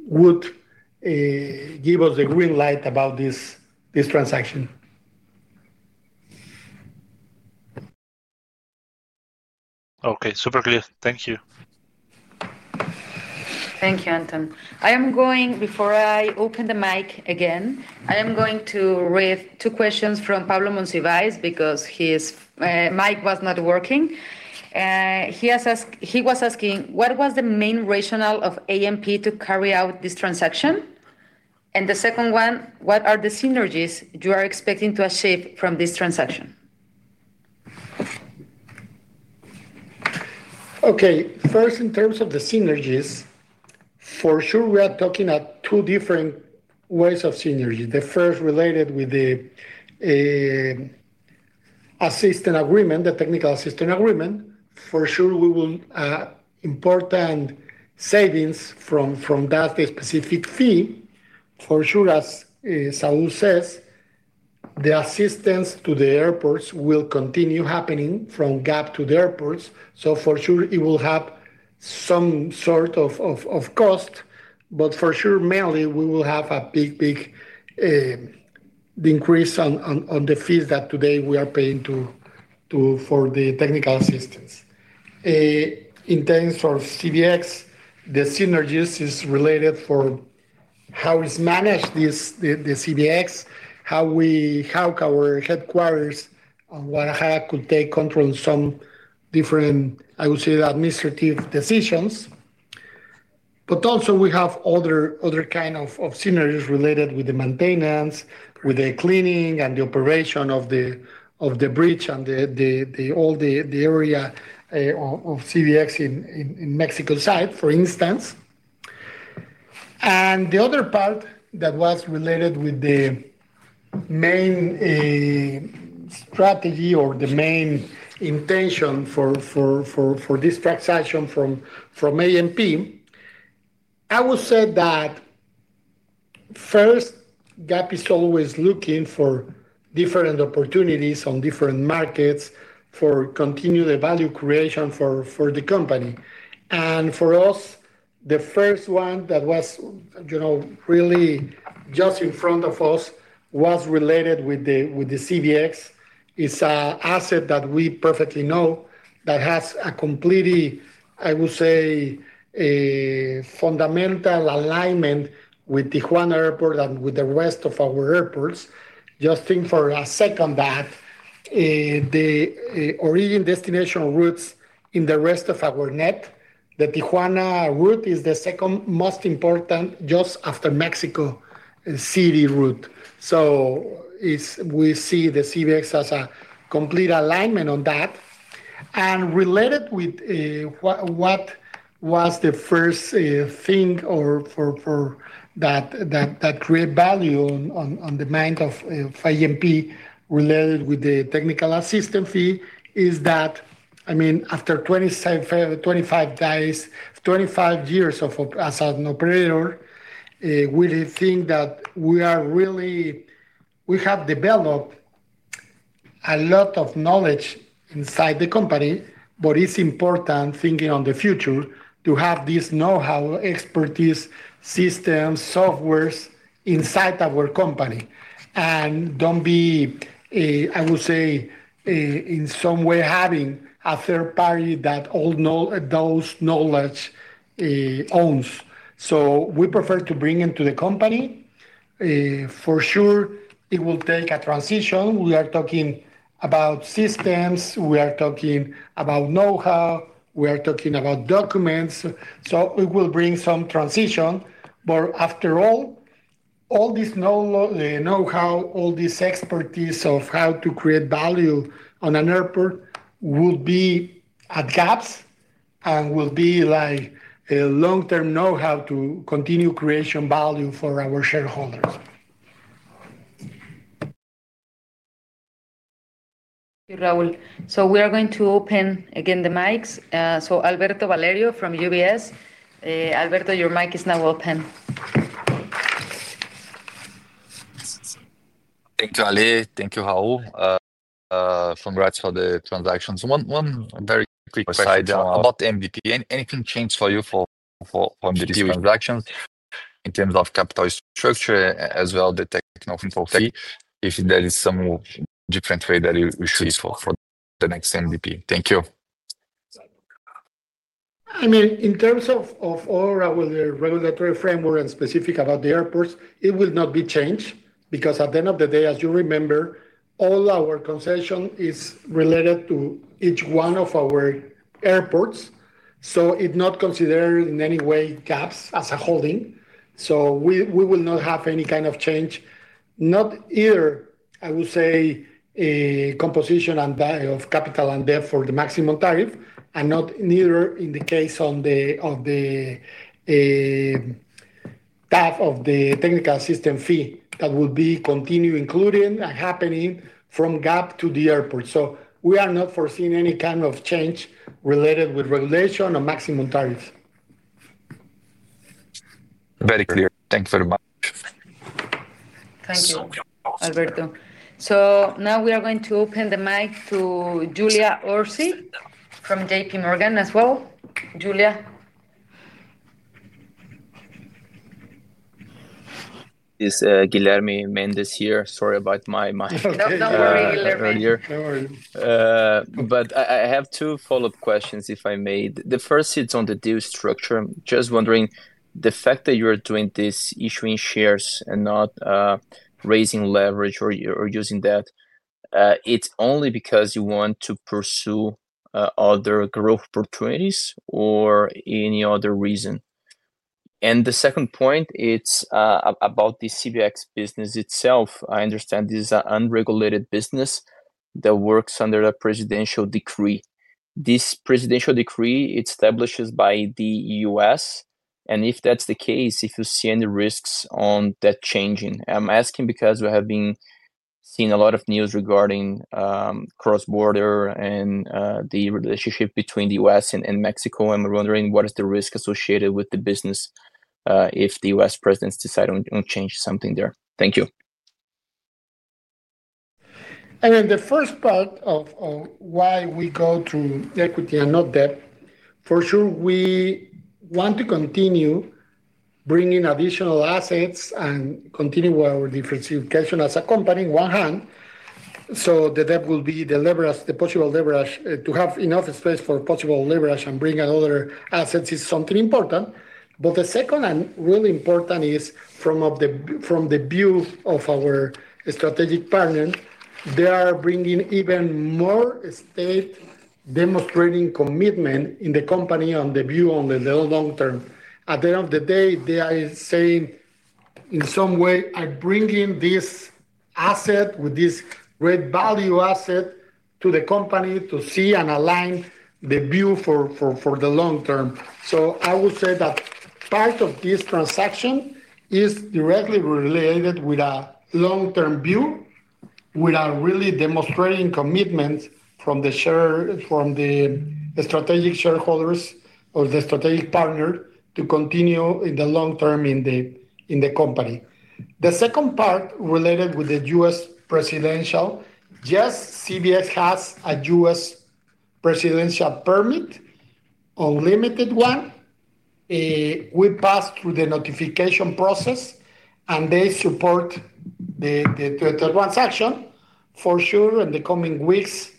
would give us the green light about this transaction. Okay. Super clear. Thank you. Thank you, Anton. I am going before I open the mic again, I am going to read two questions from Pablo Monsivais because his mic was not working. He was asking, "What was the main rationale of AENA to carry out this transaction?" And the second one, "What are the synergies you are expecting to achieve from this transaction?" Okay. First, in terms of the synergies. For sure, we are talking about two different ways of synergy. The first related with the assistance agreement, the technical assistance agreement. For sure, we will important savings from that specific fee. For sure, as Saúl says, the assistance to the airports will continue happening from GAP to the airports. So for sure, it will have some sort of cost. But for sure, mainly, we will have a big, big decrease on the fees that today we are paying for the technical assistance. In terms of CBX, the synergies is related for how it's managed, the CBX, how our headquarters on Guadalajara could take control of some different, I would say, administrative decisions. But also, we have other kinds of synergies related with the maintenance, with the cleaning and the operation of the bridge and all the area of CBX in Mexico side, for instance. And the other part that was related with the main strategy or the main intention for this transaction from AENA. I would say that first, GAP is always looking for different opportunities on different markets for continued value creation for the company. And for us, the first one that was really just in front of us was related with the CBX. It's an asset that we perfectly know that has a completely, I would say, fundamental alignment with Tijuana Airport and with the rest of our airports. Just think for a second that the origin destination routes in the rest of our network, the Tijuana route is the second most important just after Mexico City route. So we see the CBX as a complete alignment on that. And related with what was the first thing or that create value on the mind of AENA related with the technical assistance fee is that, I mean, after 25 years as an operator, we think that we have developed. A lot of knowledge inside the company, but it's important thinking on the future to have this know-how, expertise, systems, softwares inside our company. And don't be, I would say. In some way, having a third party that. Those knowledge. Owns. So we prefer to bring into the company. For sure, it will take a transition. We are talking about systems. We are talking about know-how. We are talking about documents. So it will bring some transition. But after all. All this know-how, all this expertise of how to create value on an airport will be at GAP's and will be like a long-term know-how to continue creating value for our shareholders. Thank you, Raúl. So we are going to open again the mics. So Alberto Valerio from UBS. Alberto, your mic is now open. Thank you, Ale. Thank you, Raúl. Congrats for the transactions. One very quick side about MVP. Anything changed for you for MVP transactions in terms of capital structure as well as the technical fee? If there is some different way that we should for the next MVP. Thank you. I mean, in terms of our regulatory framework and specific about the airports, it will not be changed because at the end of the day, as you remember, all our concession is related to each one of our airports. So it's not considered in any way GAP as a holding. So we will not have any kind of change, not either, I would say. Composition of capital and debt for the maximum tariff, and neither in the case of the GAP of the technical assistance fee that will be continued including and happening from GAP to the airport. So we are not foreseeing any kind of change related with regulation or maximum tariffs. Very clear. Thank you very much. Thank you, Alberto. So now we are going to open the mic to Julia Orsi from JPMorgan as well. Julia. Is Guilherme Mendes here? Sorry about my mic. Don't worry, Guilherme. But I have two follow-up questions, if I may. The first is on the deal structure. Just wondering, the fact that you're doing this issuing shares and not. Raising leverage or using debt, it's only because you want to pursue. Other growth opportunities or any other reason? And the second point, it's about the CBX business itself. I understand this is an unregulated business. That works under a presidential decree. This presidential decree, it's established by the U.S. And if that's the case, if you see any risks on that changing? I'm asking because we have been seeing a lot of news regarding. Cross-border and the relationship between the U.S. and Mexico. I'm wondering, what is the risk associated with the business. If the U.S. presidents decide on changing something there? Thank you. I mean, the first part of why we go to equity and not debt, for sure, we want to continue. Bringing additional assets and continue our diversification as a company on one hand. So the debt will be the possible leverage to have enough space for possible leverage and bringing other assets is something important. But the second and really important is from the view of our strategic partners, they are bringing even more stake demonstrating commitment in the company on the view on the long term. At the end of the day, they are saying in some way, I'm bringing this asset with this great value asset to the company to see and align the view for the long term. So I would say that part of this transaction is directly related with a long-term view with a really demonstrating commitment from the strategic shareholders or the strategic partners to continue in the long term in the company. The second part related with the U.S. presidential, just CBX has a U.S. Presidential Permit. Unlimited one. We pass through the notification process. And they support the transaction. For sure, in the coming weeks,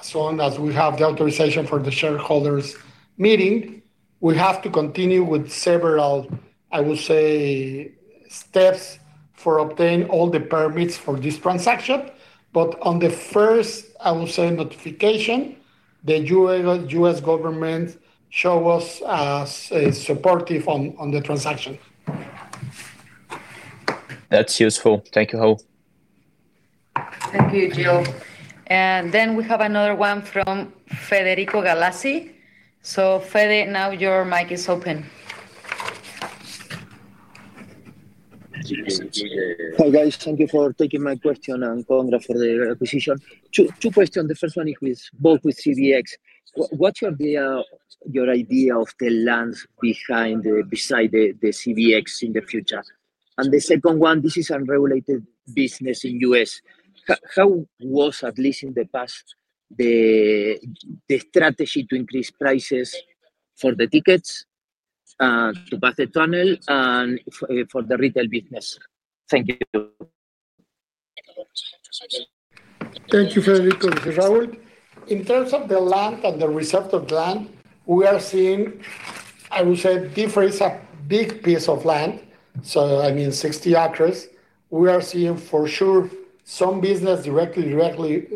as long as we have the authorization for the shareholders' meeting, we have to continue with several, I would say, steps for obtaining all the permits for this transaction. But on the first, I would say, notification, the U.S. government show us supportive on the transaction. That's useful. Thank you, Raúl. Thank you, Gio. And then we have another one from Federico Galassi. So Fede, now your mic is open. Hello, guys. Thank you for taking my question and calling for the acquisition. Two questions. The first one is both with CBX. What's your idea of the lands beside the CBX in the future? And the second one, this is unregulated business in the U.S. How was, at least in the past, the strategy to increase prices for the tickets to pass the tunnel and for the retail business? Thank you. Thank you, Federico. This is Raúl. In terms of the land and the reserved land, we are seeing, I would say, different. It's a big piece of land. So I mean, 60 acres. We are seeing, for sure, some business directly related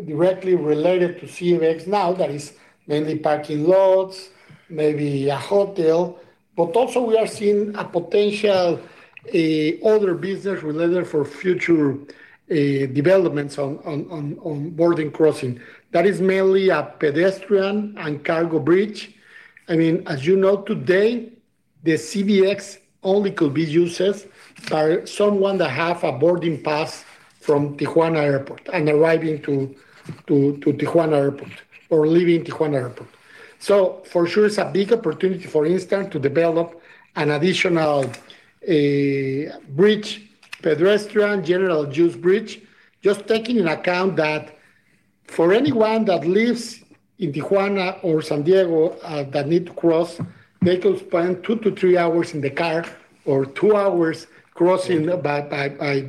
to CBX now. That is mainly parking lots, maybe a hotel. But also, we are seeing a potential other business related for future developments on border crossing. That is mainly a pedestrian and cargo bridge. I mean, as you know, today, the CBX only could be used by someone that has a boarding pass from Tijuana Airport and arriving to Tijuana Airport or leaving Tijuana Airport. So for sure, it's a big opportunity, for instance, to develop an additional bridge, pedestrian, general use bridge, just taking into account that for anyone that lives in Tijuana or San Diego that needs to cross, they could spend two to three hours in the car or two hours crossing by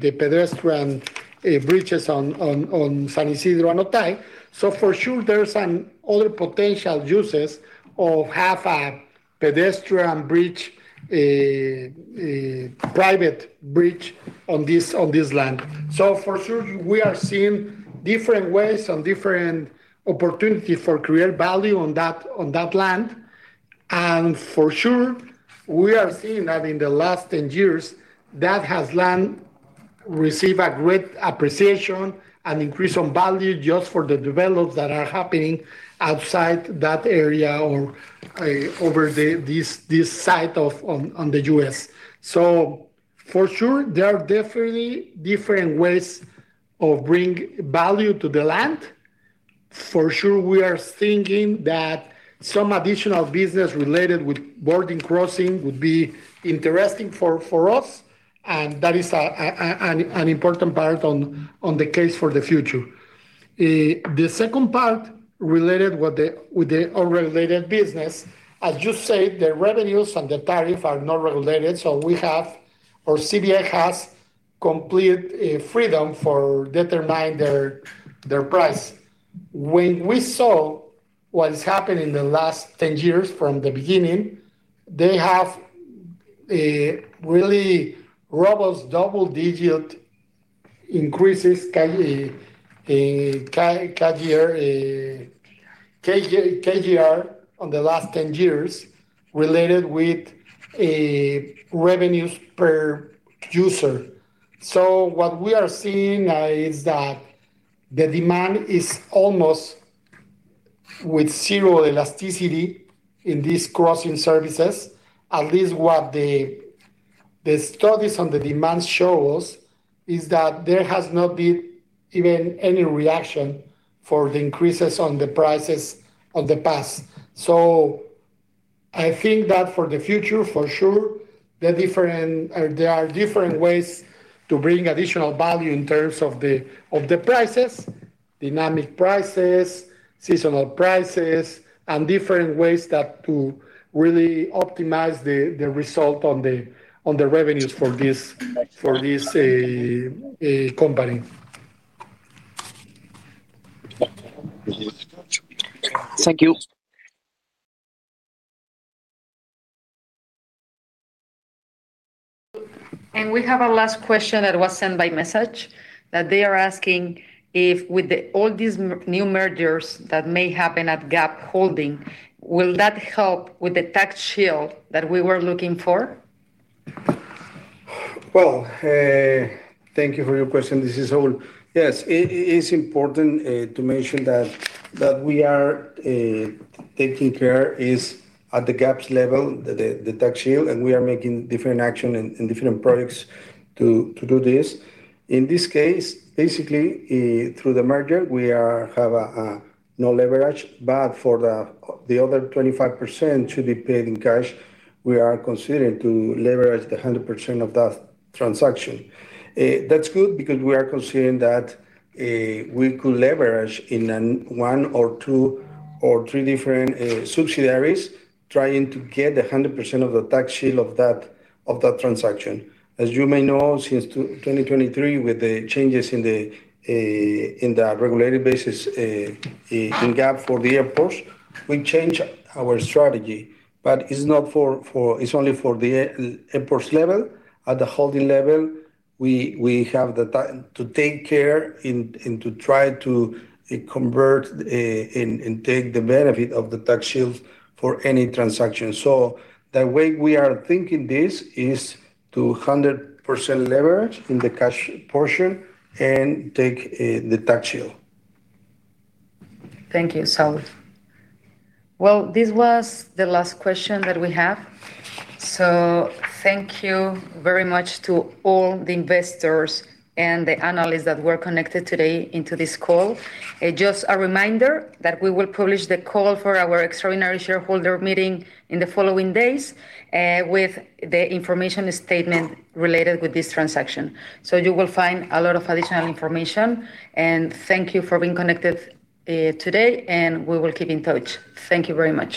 the pedestrian bridges on San Ysidro and Otay. So for sure, there's another potential use of having a pedestrian bridge. Private bridge on this land. So for sure, we are seeing different ways and different opportunities for creating value on that land. And for sure, we are seeing that in the last 10 years, that land has received a great appreciation and increase in value just for the developments that are happening outside that area or over this site on the U.S. So for sure, there are definitely different ways of bringing value to the land. For sure, we are thinking that some additional business related with border crossing would be interesting for us. And that is an important part on the case for the future. The second part related with the unregulated business, as you said, the revenues and the tariff are not regulated. So we have, or CBX has complete freedom for determining their price. When we saw what's happened in the last 10 years from the beginning, they have really robust double-digit increases, CAGR on the last 10 years related with revenues per user. So what we are seeing is that the demand is almost with zero elasticity in these crossing services. At least what the studies on the demand show us is that there has not been even any reaction for the increases on the prices of the past. So I think that for the future, for sure, there are different ways to bring additional value in terms of the prices, dynamic prices, seasonal prices, and different ways to really optimize the result on the revenues for this company. Thank you. And we have a last question that was sent by message that they are asking if with all these new mergers that may happen at GAP Holding, will that help with the tax shield that we were looking for? Well, thank you for your question. This is Saúl. Yes, it's important to mention that we are taking care at the GAP's level, the tax shield, and we are making different actions and different projects to do this. In this case, basically, through the merger, we have no leverage, but for the other 25% to be paid in cash, we are considering to leverage the 100% of that transaction. That's good because we are considering that we could leverage in one or two or three different subsidiaries trying to get the 100% of the tax shield of that transaction. As you may know, since 2023, with the changes in the regulated basis in GAP for the airports, we changed our strategy. But it's not for. It's only for the airports level. At the holding level, we have the time to take care and to try to convert and take the benefit of the tax shield for any transaction. So the way we are thinking this is to 100% leverage in the cash portion and take the tax shield. Thank you, Saúl. Well, this was the last question that we have. So thank you very much to all the investors and the analysts that were connected today into this call. Just a reminder that we will publish the call for our extraordinary shareholder meeting in the following days with the information statement related with this transaction, so you will find a lot of additional information, and thank you for being connected today, and we will keep in touch. Thank you very much.